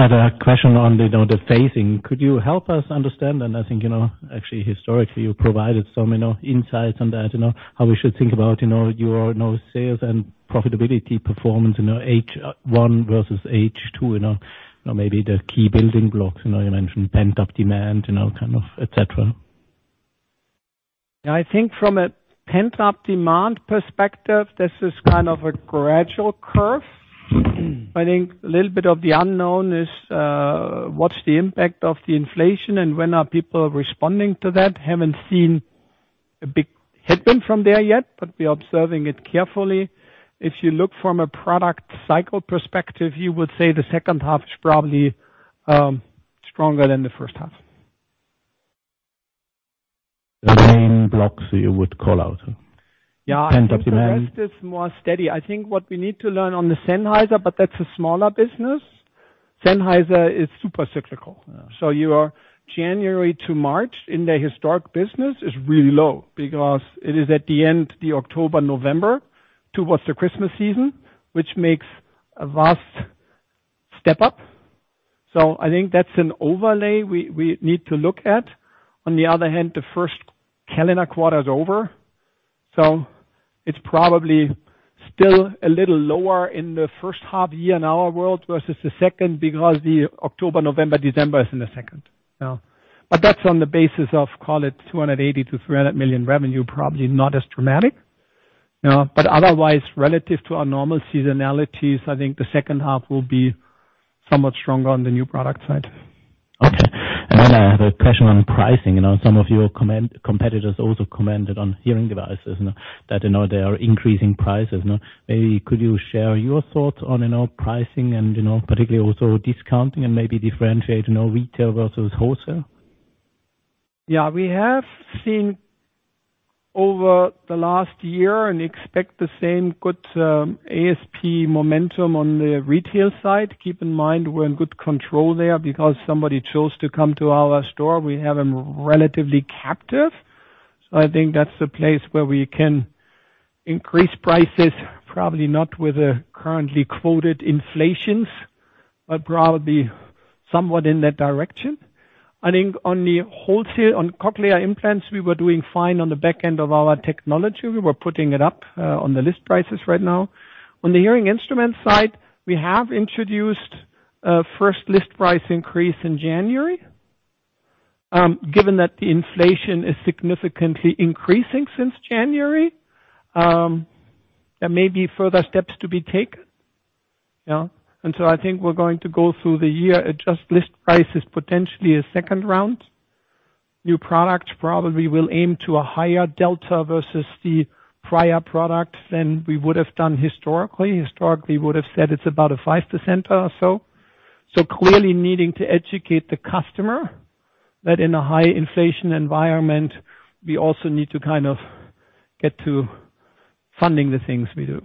Thank you, Thomas. I have a question on, you know, the phasing. Could you help us understand? I think, you know, actually historically you provided some, you know, insights on that. You know, how we should think about, you know, your, you know, sales and profitability performance in H1 versus H2. You know, maybe the key building blocks. You know, you mentioned pent-up demand, you know, kind of et cetera. Yeah. I think from a pent-up demand perspective, this is kind of a gradual curve. I think a little bit of the unknown is, what's the impact of the inflation and when are people responding to that? Haven't seen a big hit them from there yet, but we're observing it carefully. If you look from a product cycle perspective, you would say the second half is probably, stronger than the first half. The main blocks you would call out. Yeah. Pent-up demand. The rest is more steady. I think what we need to learn on the Sennheiser, but that's a smaller business. Sennheiser is super cyclical. Yeah. Your January to March in their historic business is really low because it is at the end, the October, November towards the Christmas season, which makes a vast step up. I think that's an overlay we need to look at. On the other hand, the first calendar quarter is over, so it's probably still a little lower in the first half year in our world versus the second because the October, November, December is in the second. Yeah. That's on the basis of, call it 280-300 million revenue, probably not as dramatic. You know, but otherwise relative to our normal seasonalities, I think the second half will be somewhat stronger on the new product side. Okay. I have a question on pricing. You know, some of your competitors also commented on hearing devices, you know, that, you know, they are increasing prices, you know. Maybe could you share your thoughts on, you know, pricing and, you know, particularly also discounting and maybe differentiate, you know, retail versus wholesale? Yeah. We have seen over the last year and expect the same good ASP momentum on the retail side. Keep in mind we're in good control there because somebody chose to come to our store. We have them relatively captive. I think that's the place where we can increase prices. Probably not with the currently quoted inflations, but probably somewhat in that direction. I think on cochlear implants, we were doing fine on the back end of our technology. We were putting it up on the list prices right now. On the hearing instrument side, we have introduced a first list price increase in January. Given that the inflation is significantly increasing since January, there may be further steps to be taken. Yeah. I think we're going to go through the year, adjust list prices, potentially a second round. New product probably will aim to a higher delta versus the prior product than we would have done historically. Historically, we would have said it's about a 5% or so. Clearly needing to educate the customer that in a high inflation environment, we also need to kind of get to funding the things we do.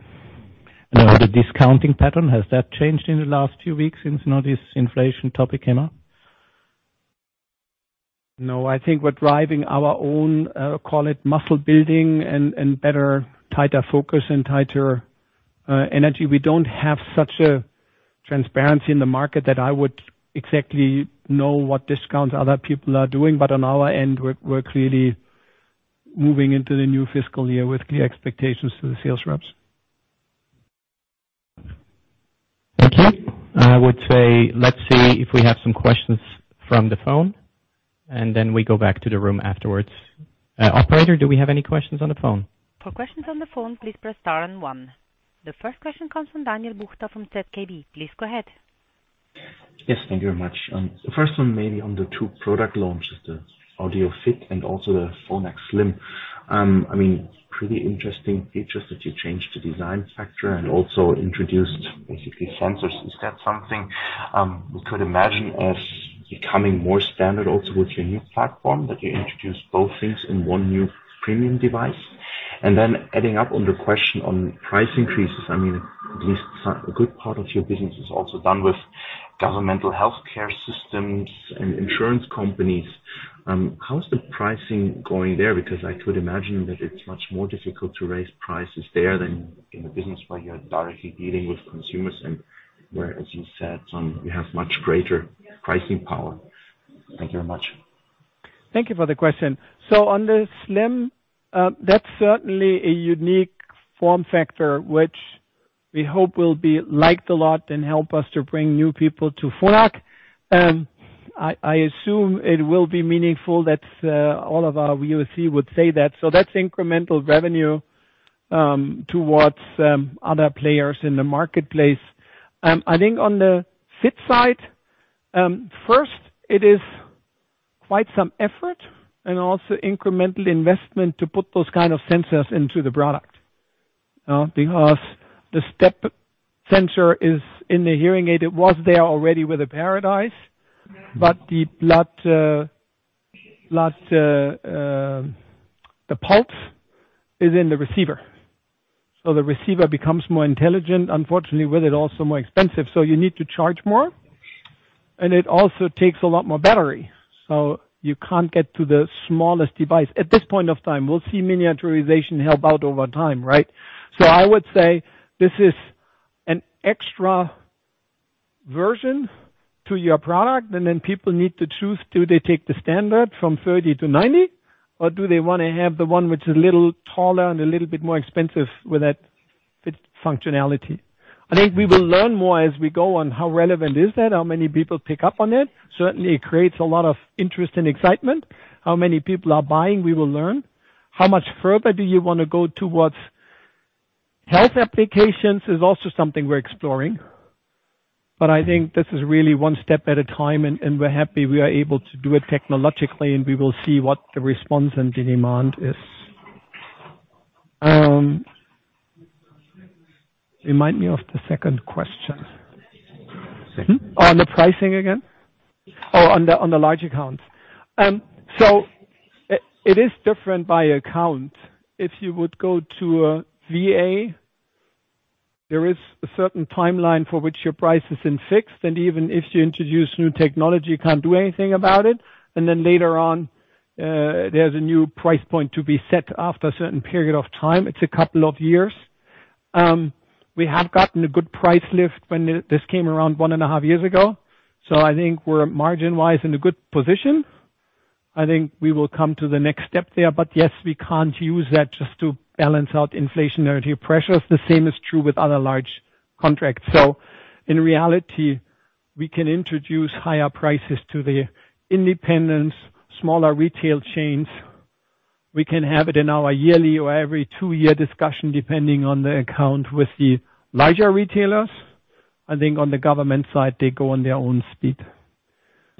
Has the discounting pattern changed in the last few weeks since now this inflation topic came up? No. I think we're driving our own, call it muscle building and better tighter focus and tighter energy. We don't have such ,transparency in the market that I would exactly know what discounts other people are doing. On our end, we're clearly moving into the new fiscal year with clear expectations to the sales reps. Thank you. I would say, let's see if we have some questions from the phone, and then we go back to the room afterwards. Operator, do we have any questions on the phone? For questions on the phone, please press star and one. The first question comes from Daniel Buchta from ZKB. Please go ahead. Yes, thank you very much. First one maybe on the two product launches, the Audéo Fit and also the Phonak Slim. I mean, pretty interesting features that you changed the design factor and also introduced basically sensors. Is that something, we could imagine as becoming more standard also with your new platform, that you introduce both things in one new premium device? And then adding up on the question on price increases. I mean, at least a good part of your business is also done with governmental healthcare systems and insurance companies. How is the pricing going there? Because I could imagine that it's much more difficult to raise prices there than in a business where you're directly dealing with consumers and where, as you said, you have much greater pricing power. Thank you very much. Thank you for the question. On the Slim, that's certainly a unique form factor, which we hope will be liked a lot and help us to bring new people to Phonak. I assume it will be meaningful that all of our UFC would say that. That's incremental revenue towards other players in the marketplace. I think on the fit side, first it is quite some effort and also incremental investment to put those kind of sensors into the product, because the step sensor is in the hearing aid. It was there already with the Paradise, but the pulse is in the receiver. The receiver becomes more intelligent, unfortunately, with it also more expensive, so you need to charge more and it also takes a lot more battery, so you can't get to the smallest device at this point of time. We'll see miniaturization help out over time, right? I would say this is an extra version to your product and then people need to choose, do they take the standard from 30-90, or do they wanna have the one which is a little taller and a little bit more expensive with that fit functionality. I think we will learn more as we go on how relevant is that, how many people pick up on it. Certainly, it creates a lot of interest and excitement. How many people are buying, we will learn. How much further do you wanna go towards health applications is also something we're exploring. I think this is really one step at a time and we're happy we are able to do it technologically, and we will see what the response and the demand is. Remind me of the second question. On the pricing again? Oh, on the large accounts. So it is different by account. If you would go to a VA, there is a certain timeline for which your price is fixed, and even if you introduce new technology, you can't do anything about it. Then later on, there's a new price point to be set after a certain period of time. It's a couple of years. We have gotten a good price lift when this came around 1.5 years ago, so I think we're margin-wise in a good position. I think we will come to the next step there. Yes, we can't use that just to balance out inflationary pressures. The same is true with other large contracts. In reality, we can introduce higher prices to the independents, smaller retail chains. We can have it in our yearly or every two-year discussion, depending on the account with the larger retailers. I think on the government side, they go on their own speed.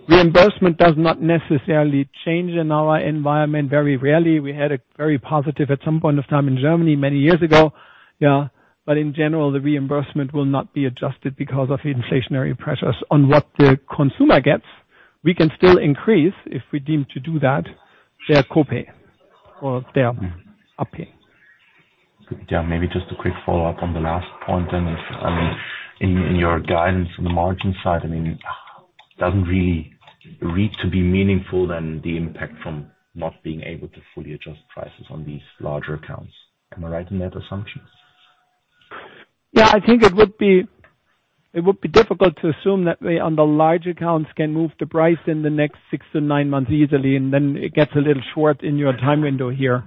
Reimbursement does not necessarily change in our environment. Very rarely. We had a very positive at some point of time in Germany many years ago, yeah. In general, the reimbursement will not be adjusted because of inflationary pressures. On what the consumer gets, we can still increase if we deem to do that, their copay or their upfront. Yeah, maybe just a quick follow-up on the last point then. If, I mean, in your guidance from the margin side, I mean, it doesn't really read to be meaningful then the impact from not being able to fully adjust prices on these larger accounts. Am I right in that assumption? Yeah, I think it would be difficult to assume that we, on the large accounts, can move the price in the next six to nine months easily, and then it gets a little short in your time window here,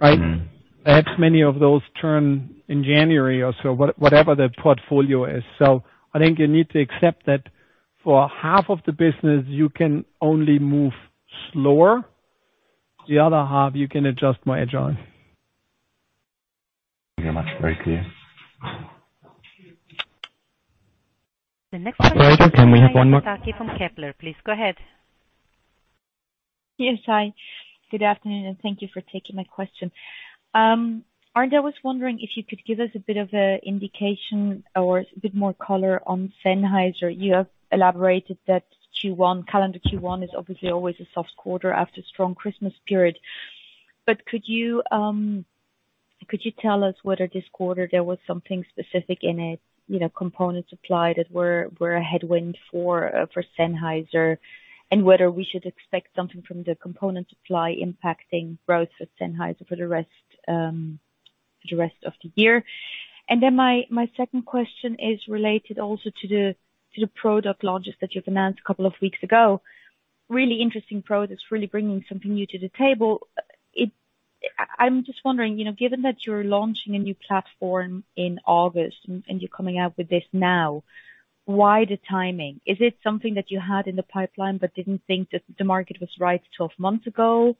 right? Mm-hmm. Perhaps many of those turn in January or so, whatever the portfolio is. I think you need to accept that for half of the business, you can only move slower. The other half, you can adjust margin. Thank you very much. Very clear. Operator, can we have one more? The next one is Maja Pataki from Kepler Cheuvreux. Please go ahead. Yes. Hi, good afternoon, and thank you for taking my question. Arnd, I was wondering if you could give us a bit of a indication or a bit more color on Sennheiser. You have elaborated that Q1, calendar Q1 is obviously always a soft quarter after strong Christmas period. Could you tell us whether this quarter there was something specific in it, you know, component supply that was a headwind for Sennheiser, and whether we should expect something from the component supply impacting growth for Sennheiser for the rest of the year? Then my second question is related also to the product launches that you've announced a couple of weeks ago. Really interesting products, really bringing something new to the table. I'm just wondering, you know, given that you're launching a new platform in August and you're coming out with this now, why the timing? Is it something that you had in the pipeline but didn't think that the market was right 12 months ago?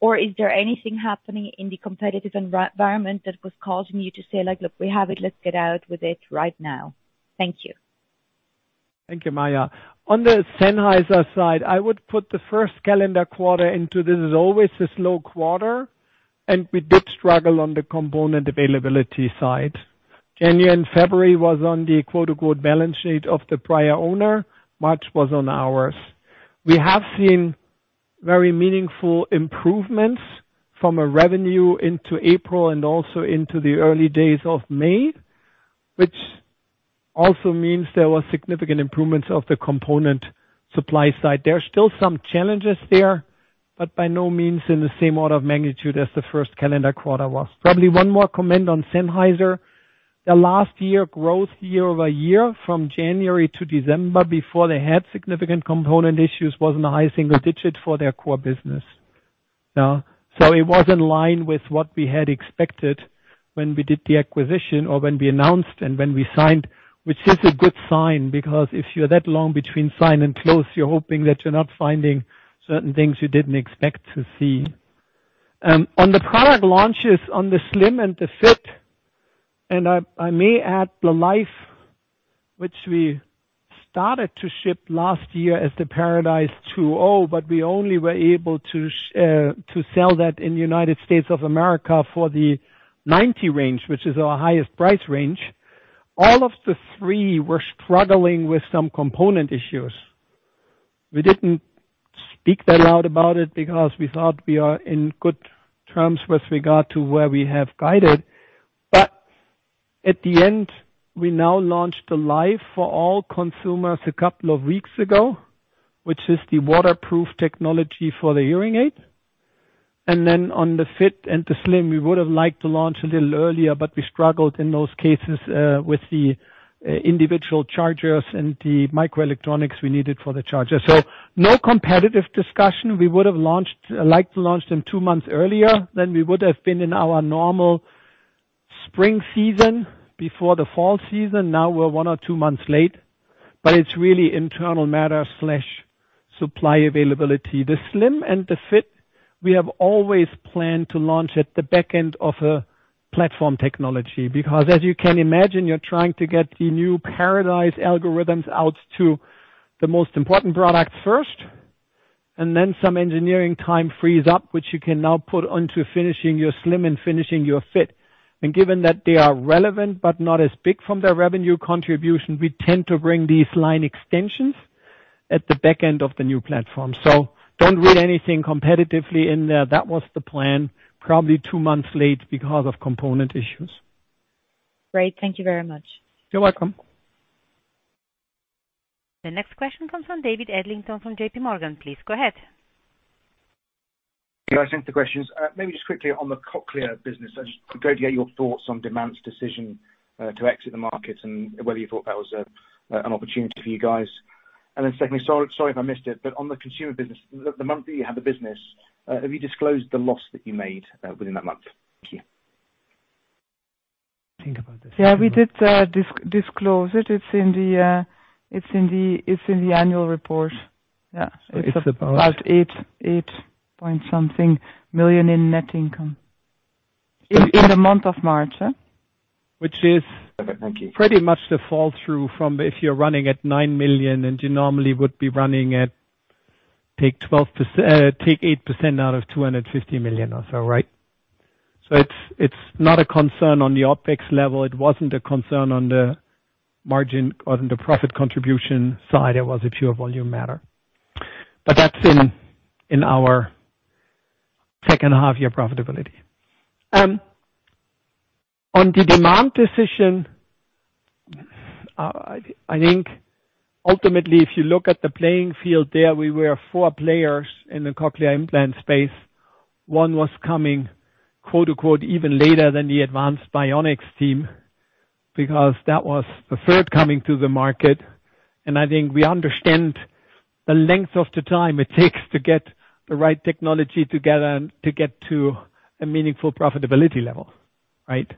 Or is there anything happening in the competitive environment that was causing you to say like, "Look, we have it. Let's get out with it right now." Thank you. Thank you, Maja. On the Sennheiser side, I would put the first calendar quarter into this is always a slow quarter, and we did struggle on the component availability side. January and February was on the quote-unquote balance sheet of the prior owner. March was on ours. We have seen very meaningful improvements from a revenue into April and also into the early days of May, which also means there was significant improvements of the component supply side. There are still some challenges there, but by no means in the same order of magnitude as the first calendar quarter was. Probably one more comment on Sennheiser. The last year growth year-over-year from January to December before they had significant component issues was in the high single digit for their core business. It was in line with what we had expected when we did the acquisition or when we announced and when we signed, which is a good sign, because if you're that long between sign and close, you're hoping that you're not finding certain things you didn't expect to see. On the product launches on the Slim and the Fit. I may add the Life which we started to ship last year as the Paradise 2.0, but we only were able to sell that in the United States of America for the 90 range, which is our highest price range. All of the three were struggling with some component issues. We didn't speak that loud about it because we thought we are in good terms with regard to where we have guided. At the end, we now launched the Life for all consumers a couple of weeks ago, which is the waterproof technology for the hearing aid. Then on the Fit and the Slim, we would have liked to launch a little earlier, but we struggled in those cases with the individual chargers and the microelectronics we needed for the charger. No competitive discussion. We would have liked to launch them two months earlier than we would have been in our normal spring season before the fall season. Now we're one or two months late, but it's really internal matter slash supply availability. The Slim and the Fit, we have always planned to launch at the back end of a platform technology because as you can imagine, you're trying to get the new Paradise algorithms out to the most important product first, and then some engineering time frees up, which you can now put onto finishing your Slim and finishing your Fit. Given that they are relevant but not as big from their revenue contribution, we tend to bring these line extensions at the back end of the new platform. Don't read anything competitively in there. That was the plan, probably two months late because of component issues. Great. Thank you very much. You're welcome. The next question comes from David Adlington from JP Morgan. Please go ahead. Thanks for the questions. Maybe just quickly on the cochlear business. It'd just be great to get your thoughts on Demant's decision to exit the markets and whether you thought that was an opportunity for you guys. Then secondly, sorry if I missed it, but on the consumer business, the month that you had the business, have you disclosed the loss that you made within that month? Thank you. Think about this. Yeah, we did disclose it. It's in the annual report. Yeah. It's about. About CHF 8.something million in net income. In the month of March. Which is- Okay. Thank you. Pretty much the fall through from if you're running at 9 million, and you normally would be running at take eight percent out of 250 million or so, right? It's not a concern on the OpEx level. It wasn't a concern on the margin or on the profit contribution side. It was a pure volume matter. But that's in our second half year profitability. On the Demant decision, I think ultimately, if you look at the playing field there, we were four players in the cochlear implant space. One was coming, quote, unquote, "Even later than the Advanced Bionics team," because that was the third coming to the market. I think we understand the length of the time it takes to get the right technology together and to get to a meaningful profitability level, right?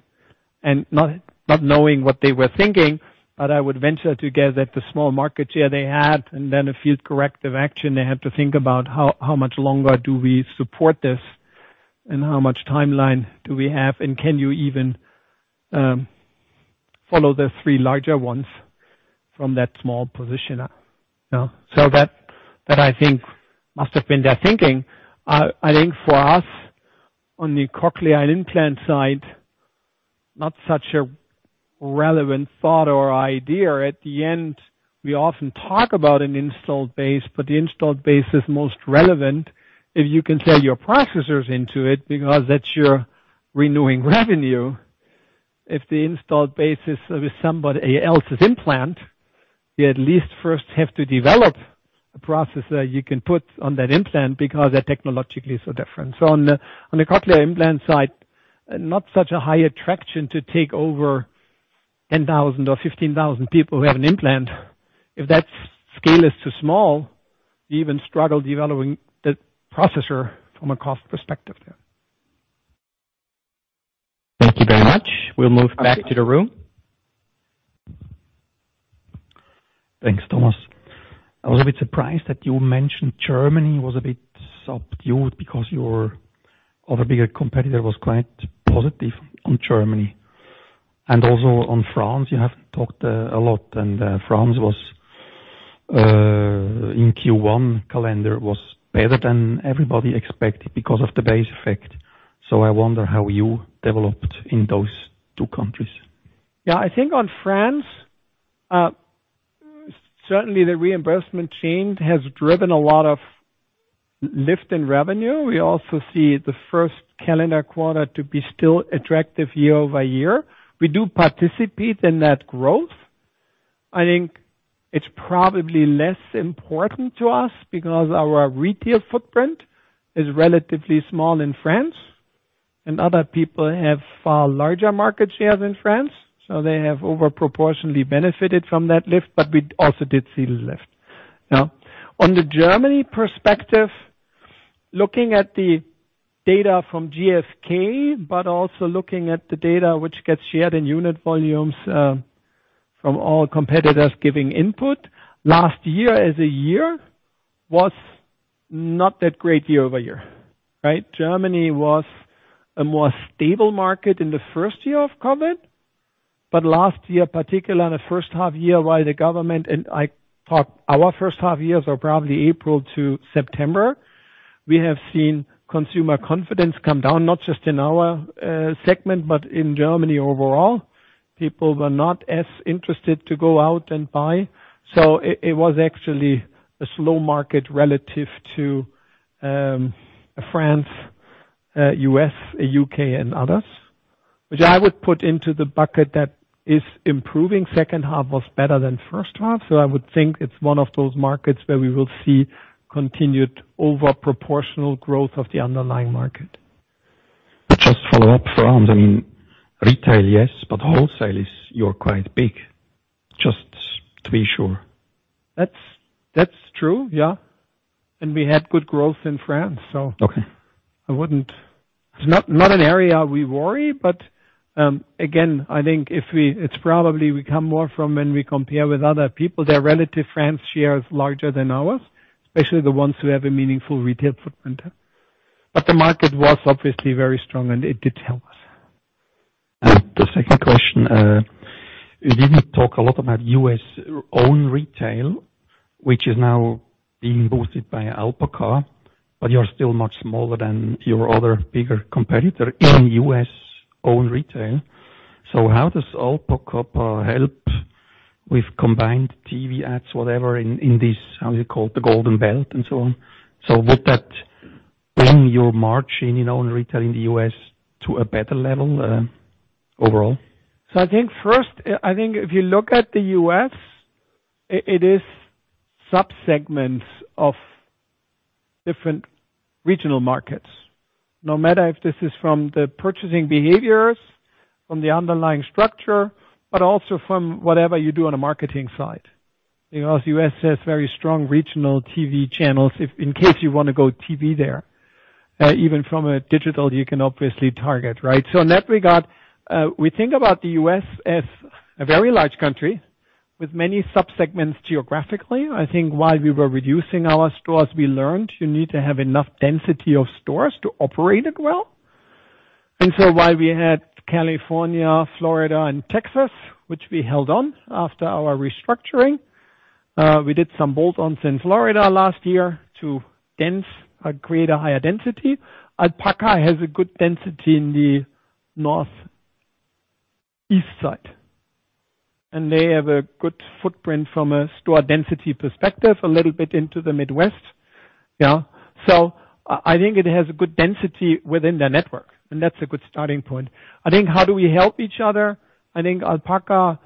Not knowing what they were thinking, but I would venture to guess that the small market share they had and then a few corrective action, they had to think about how much longer do we support this and how much timeline do we have, and can you even follow the three larger ones from that small position? You know. That I think must have been their thinking. I think for us on the cochlear implant side, not such a relevant thought or idea. At the end, we often talk about an installed base, but the installed base is most relevant if you can sell your processors into it because that's your renewing revenue. If the installed base is with somebody else's implant, you at least first have to develop a processor you can put on that implant because they're technologically so different. On the cochlear implant side, not such a high attraction to take over 10,000 or 15,000 people who have an implant. If that scale is too small, you even struggle developing the processor from a cost perspective there. Thank you very much. We'll move back to the room. Thanks, Thomas. I was a bit surprised that you mentioned Germany was a bit subdued because your other bigger competitor was quite positive on Germany. Also on France, you haven't talked a lot, and France was in Q1 calendar was better than everybody expected because of the base effect. I wonder how you developed in those two countries. Yeah. I think on France, certainly the reimbursement change has driven a lot of lift in revenue. We also see the first calendar quarter to be still attractive year-over-year. We do participate in that growth. I think it's probably less important to us because our retail footprint is relatively small in France, and other people have far larger market shares in France, so they have over proportionally benefited from that lift, but we also did see the lift. Now, on the Germany perspective, looking at the data from GfK, but also looking at the data which gets shared in unit volumes, from all competitors giving input. Last year as a year was not that great year-over-year, right? Germany was a more stable market in the first year of COVID, but last year, particularly in the first half year, while the government and I thought our first half years are probably April to September, we have seen consumer confidence come down, not just in our segment, but in Germany overall. People were not as interested to go out and buy. It was actually a slow market relative to France, U.S., U.K. and others. Which I would put into the bucket that is improving. Second half was better than first half. I would think it's one of those markets where we will see continued over proportional growth of the underlying market. Just follow up France and retail, yes, but wholesale is, you're quite big. Just to be sure. That's true, yeah. We had good growth in France, so. Okay. It's not an area we worry, but again, I think it's probably we come more from when we compare with other people, their relative French share is larger than ours, especially the ones who have a meaningful retail footprint. The market was obviously very strong, and it did help us. The second question, you didn't talk a lot about U.S. own retail, which is now being boosted by Alpaca, but you're still much smaller than your other bigger competitor in US own retail. How does Alpaca help with combined TV ads, whatever, in this, how you call, the golden belt and so on. Would that bring your margin in own retail in the U.S. to a better level, overall? I think first, I think if you look at the U.S., it is subsegments of different regional markets. No matter if this is from the purchasing behaviors, from the underlying structure, but also from whatever you do on a marketing side. Because the U.S. has very strong regional TV channels, if in case you wanna go TV there. Even from a digital, you can obviously target, right? In that regard, we think about the U.S. as a very large country with many subsegments geographically. I think while we were reducing our stores, we learned you need to have enough density of stores to operate it well. While we had California, Florida and Texas, which we held on after our restructuring, we did some bolt-ons in Florida last year to create a higher density. Alpaca has a good density in the Northeast side, and they have a good footprint from a store density perspective, a little bit into the Midwest. Yeah. I think it has a good density within their network, and that's a good starting point. I think how do we help each other? I think Alpaca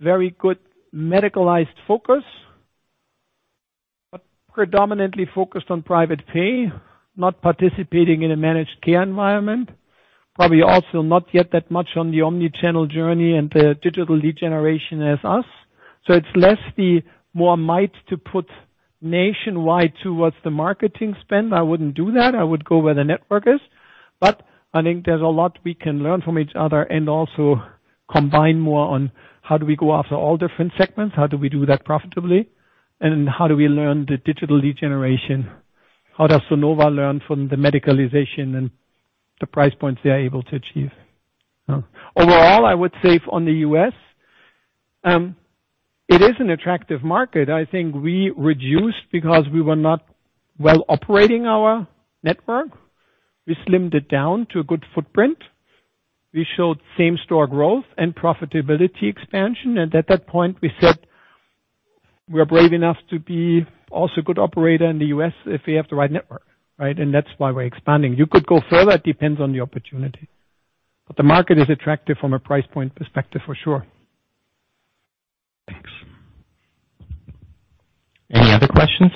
very good medicalized focus, but predominantly focused on private pay, not participating in a managed care environment. Probably also not yet that much on the omni-channel journey and the digital lead generation as us. It's less the more might to put nationwide towards the marketing spend. I wouldn't do that. I would go where the network is. I think there's a lot we can learn from each other and also combine more on how do we go after all different segments, how do we do that profitably, and how do we learn the digital lead generation? How does Sonova learn from the medicalization and the price points they are able to achieve? Overall, I would say on the U.S., it is an attractive market. I think we reduced because we were not well operating our network. We slimmed it down to a good footprint. We showed same store growth and profitability expansion, and at that point we said, we are brave enough to be also a good operator in the U.S. if we have the right network, right? That's why we're expanding. You could go further, it depends on the opportunity. The market is attractive from a price point perspective, for sure. Thanks. Any other questions?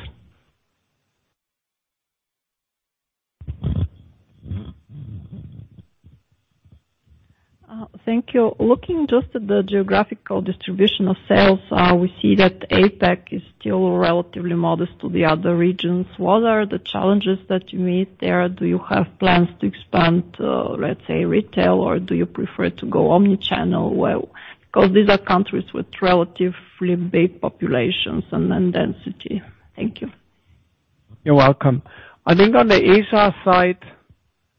Thank you. Looking just at the geographical distribution of sales, we see that APAC is still relatively modest to the other regions. What are the challenges that you meet there? Do you have plans to expand, let's say, retail, or do you prefer to go omni-channel? Because these are countries with relatively big populations and then density. Thank you. You're welcome. I think on the Asia side,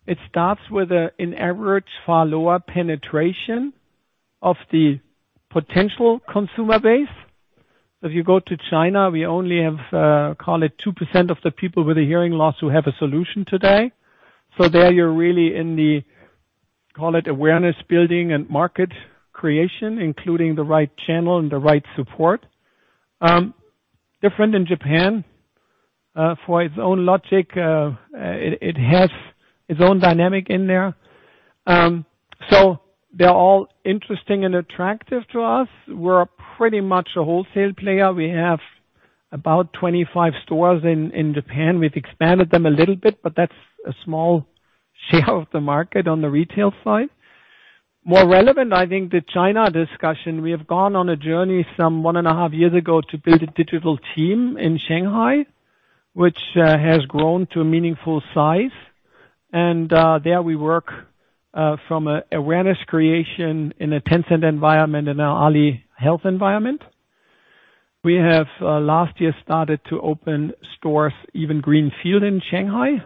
it starts with an average far lower penetration of the potential consumer base. If you go to China, we only have call it 2% of the people with a hearing loss who have a solution today. So there you're really in the call it awareness building and market creation, including the right channel and the right support. Different in Japan, for its own logic, it has its own dynamic in there. So they're all interesting and attractive to us. We're pretty much a wholesale player. We have about 25 stores in Japan. We've expanded them a little bit, but that's a small share of the market on the retail side. More relevant, I think, the China discussion. We have gone on a journey some 1.5 years ago to build a digital team in Shanghai, which has grown to a meaningful size. There we work from awareness creation in a Tencent environment, in an Alibaba Health environment. We have last year started to open stores, even greenfield in Shanghai.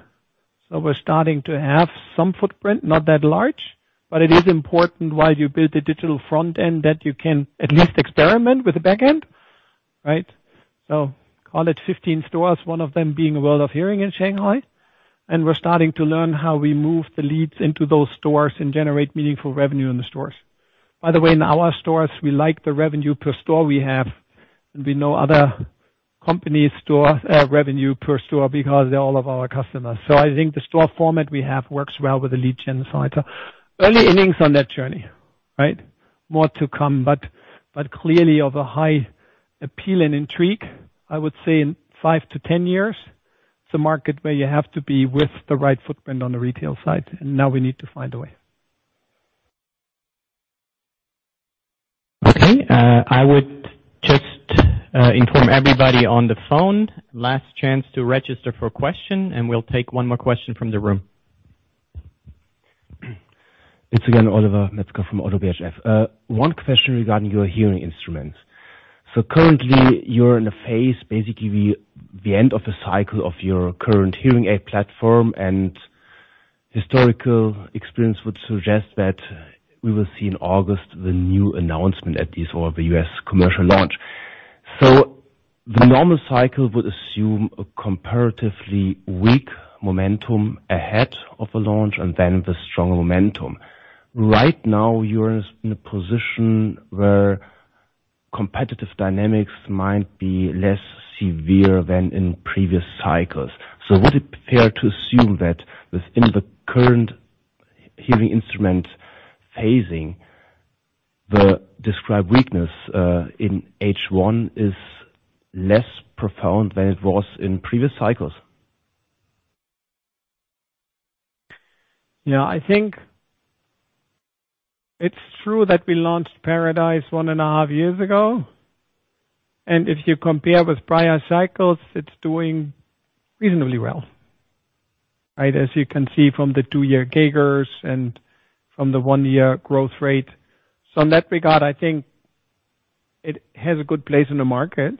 We're starting to have some footprint, not that large, but it is important while you build the digital front end that you can at least experiment with the back end, right? Call it 15 stores, one of them being a World of Hearing in Shanghai. We're starting to learn how we move the leads into those stores and generate meaningful revenue in the stores. By the way, in our stores we like the revenue per store we have, and we know other companies store revenue per store because they're all of our customers. I think the store format we have works well with the lead gen side. Early innings on that journey, right? More to come, but clearly of a high appeal and intrigue. I would say in five-10 years, it's a market where you have to be with the right footprint on the retail side, and now we need to find a way. Okay. I would just inform everybody on the phone. Last chance to register for question, and we'll take one more question from the room. It's again Oliver Metzger from ODDO BHF. One question regarding your hearing instruments. Currently you're in a phase, basically the end of the cycle of your current hearing aid platform. Historical experience would suggest that we will see in August the new announcement at least or the U.S. commercial launch. The normal cycle would assume a comparatively weak momentum ahead of a launch and then the strong momentum. Right now you're in a position where competitive dynamics might be less severe than in previous cycles. Would it be fair to assume that within the current hearing instrument phasing, the described weakness in H1 is less profound than it was in previous cycles? Yeah. I think it's true that we launched Paradise one and a half years ago. If you compare with prior cycles, it's doing reasonably well, right? As you can see from the two-year CAGR and from the one-year growth rate. In that regard, I think it has a good place in the market.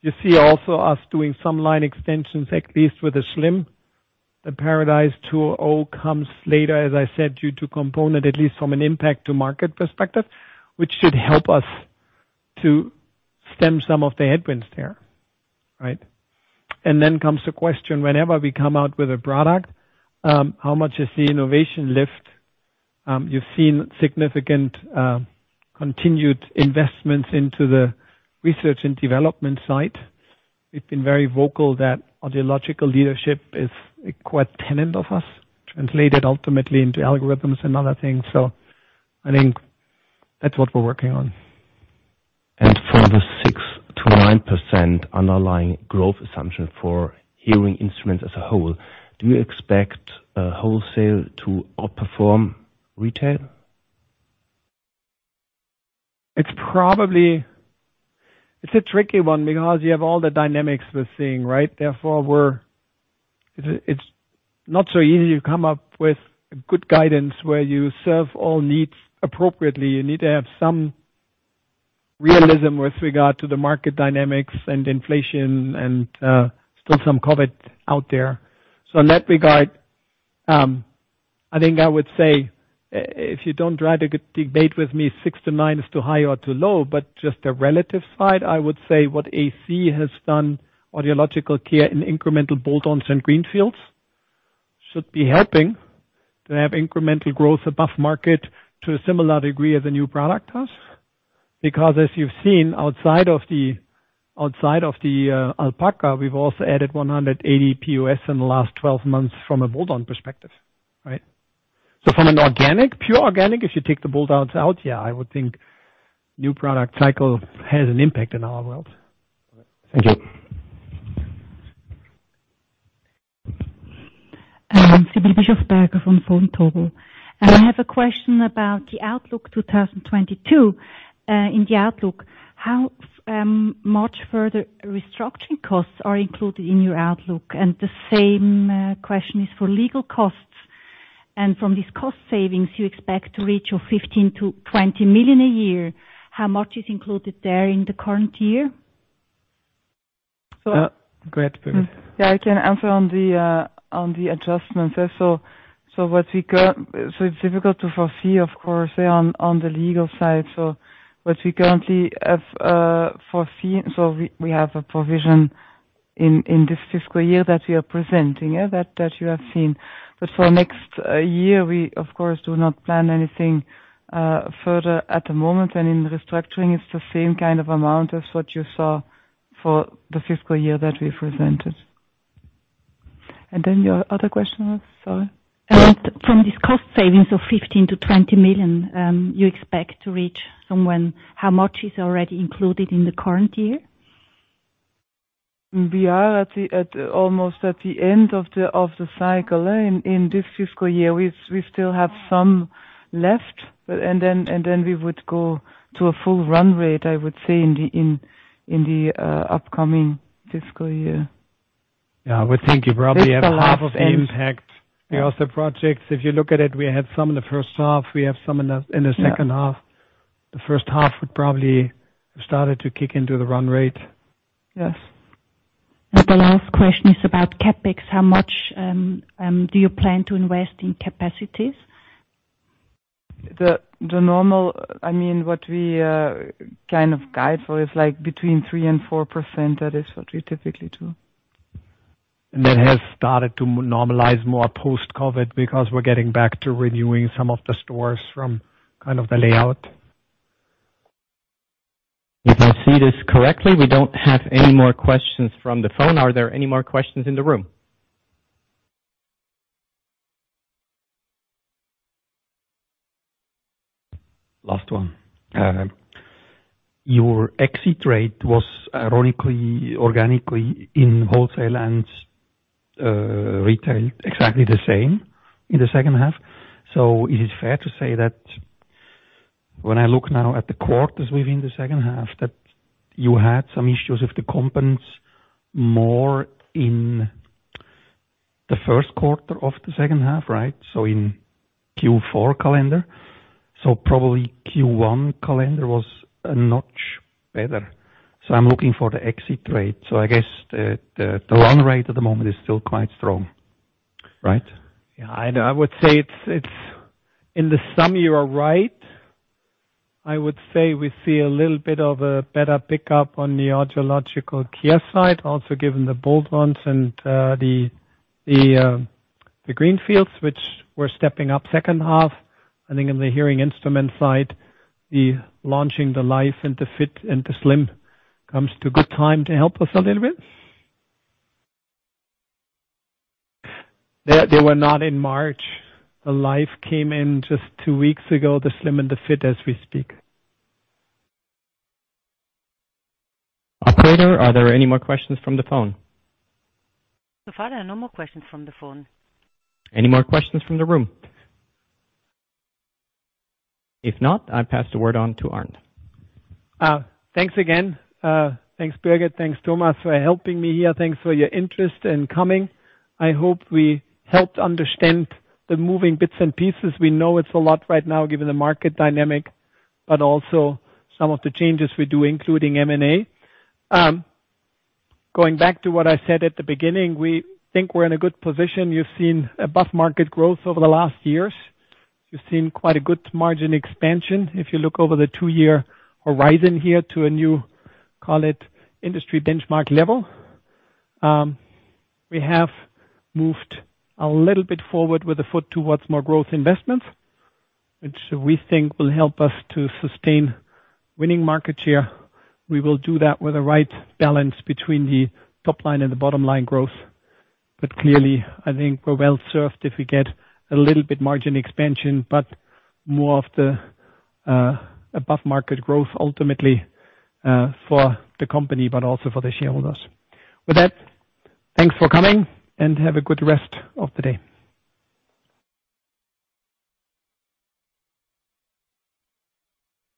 You see also us doing some line extensions, at least with the Slim. The Paradise 2.0 comes later, as I said, due to component, at least from an impact to market perspective, which should help us to stem some of the headwinds there, right? Then comes the question, whenever we come out with a product, how much is the innovation lift? You've seen significant continued investments into the research and development side. We've been very vocal that audiological leadership is a core tenet of us, translated ultimately into algorithms and other things. I think that's what we're working on. For the 6%-9% underlying growth assumption for hearing instruments as a whole, do you expect wholesale to outperform retail? It's a tricky one because you have all the dynamics we're seeing, right? It's not so easy to come up with good guidance where you serve all needs appropriately. You need to have some realism with regard to the market dynamics, inflation,, and still some COVID out there. In that regard, I think I would say, if you don't try to debate with me 6%-9% is too high or too low, but just the relative side, I would say what AC has done, audiological care and incremental bolt-ons and greenfields, should be helping to have incremental growth above market to a similar degree as a new product has. Because, as you've seen outside of the Alpaca, we've also added 180 POS in the last 12 months from a bolt-on perspective, right? From an organic, pure organic, if you take the bolt-ons out, yeah, I would think new product cycle has an impact in our world. Thank you. Sibylle Bischofberger from Vontobel. I have a question about the outlook 2022. In the outlook, how much further restructuring costs are included in your outlook? The same question is for legal costs. From these cost savings, you expect to reach your 15-20 million a year. How much is included there in the current year? So- Go ahead, Birgit. Yeah, I can answer on the adjustments. It's difficult to foresee, of course, on the legal side. What we currently have foreseen, we have a provision in this fiscal year that we are presenting, yeah, that you have seen. For next year, we of course do not plan anything further at the moment. In the restructuring, it's the same kind of amount as what you saw for the fiscal year that we've presented. Your other question was? Sorry. From these cost savings of 15 - 20 million, you expect to reach what? How much is already included in the current year? We are almost at the end of the cycle in this fiscal year. We still have some left, but then we would go to a full run rate, I would say, in the upcoming fiscal year. Yeah, we think you probably have half of the impact. We also project, if you look at it, we had some in the first half, we have some in the second half. The first half would probably have started to kick into the run rate. Yes. The last question is about CapEx. How much do you plan to invest in capacities? I mean, what we kind of guide for is, like, between 3% and 4%. That is what we typically do. That has started to normalize more post-COVID because we're getting back to renewing some of the stores from kind of the layout. If I see this correctly, we don't have any more questions from the phone. Are there any more questions in the room? Last one. Your exit rate was ironically organically in wholesale and retail exactly the same in the second half. Is it fair to say that when I look now at the quarters within the second half, that you had some issues with the competition more in the first quarter of the second half, right? In Q4 calendar. Probably Q1 calendar was a notch better. I'm looking for the exit rate. I guess the run rate at the moment is still quite strong, right? Yeah. I know. I would say it's. In sum, you are right. I would say we see a little bit of a better pickup on the audiological care side, also given the bolt-ons and the greenfields, which we're stepping up second half. I think in the hearing instruments side, the launch of the Life and the Fit and the Slim comes at a good time to help us a little bit. They were not in March. The Life came in just two weeks ago, the Slim and the Fit as we speak. Operator, are there any more questions from the phone? So far, there are no more questions from the phone. Any more questions from the room? If not, I pass the word on to Arnd. Thanks again. Thanks, Birgit. Thanks, Thomas, for helping me here. Thanks for your interest in coming. I hope we helped understand the moving bits and pieces. We know it's a lot right now given the market dynamic, but also some of the changes we do, including M&A. Going back to what I said at the beginning, we think we're in a good position. You've seen above-market growth over the last years. You've seen quite a good margin expansion. If you look over the two-year horizon here to a new, call it, industry benchmark level. We have moved a little bit forward with a foot towards more growth investments, which we think will help us to sustain winning market share. We will do that with the right balance between the top line and the bottom line growth. Clearly, I think we're well-served if we get a little bit margin expansion, but more of the above-market growth ultimately for the company, but also for the shareholders. With that, thanks for coming, and have a good rest of the day.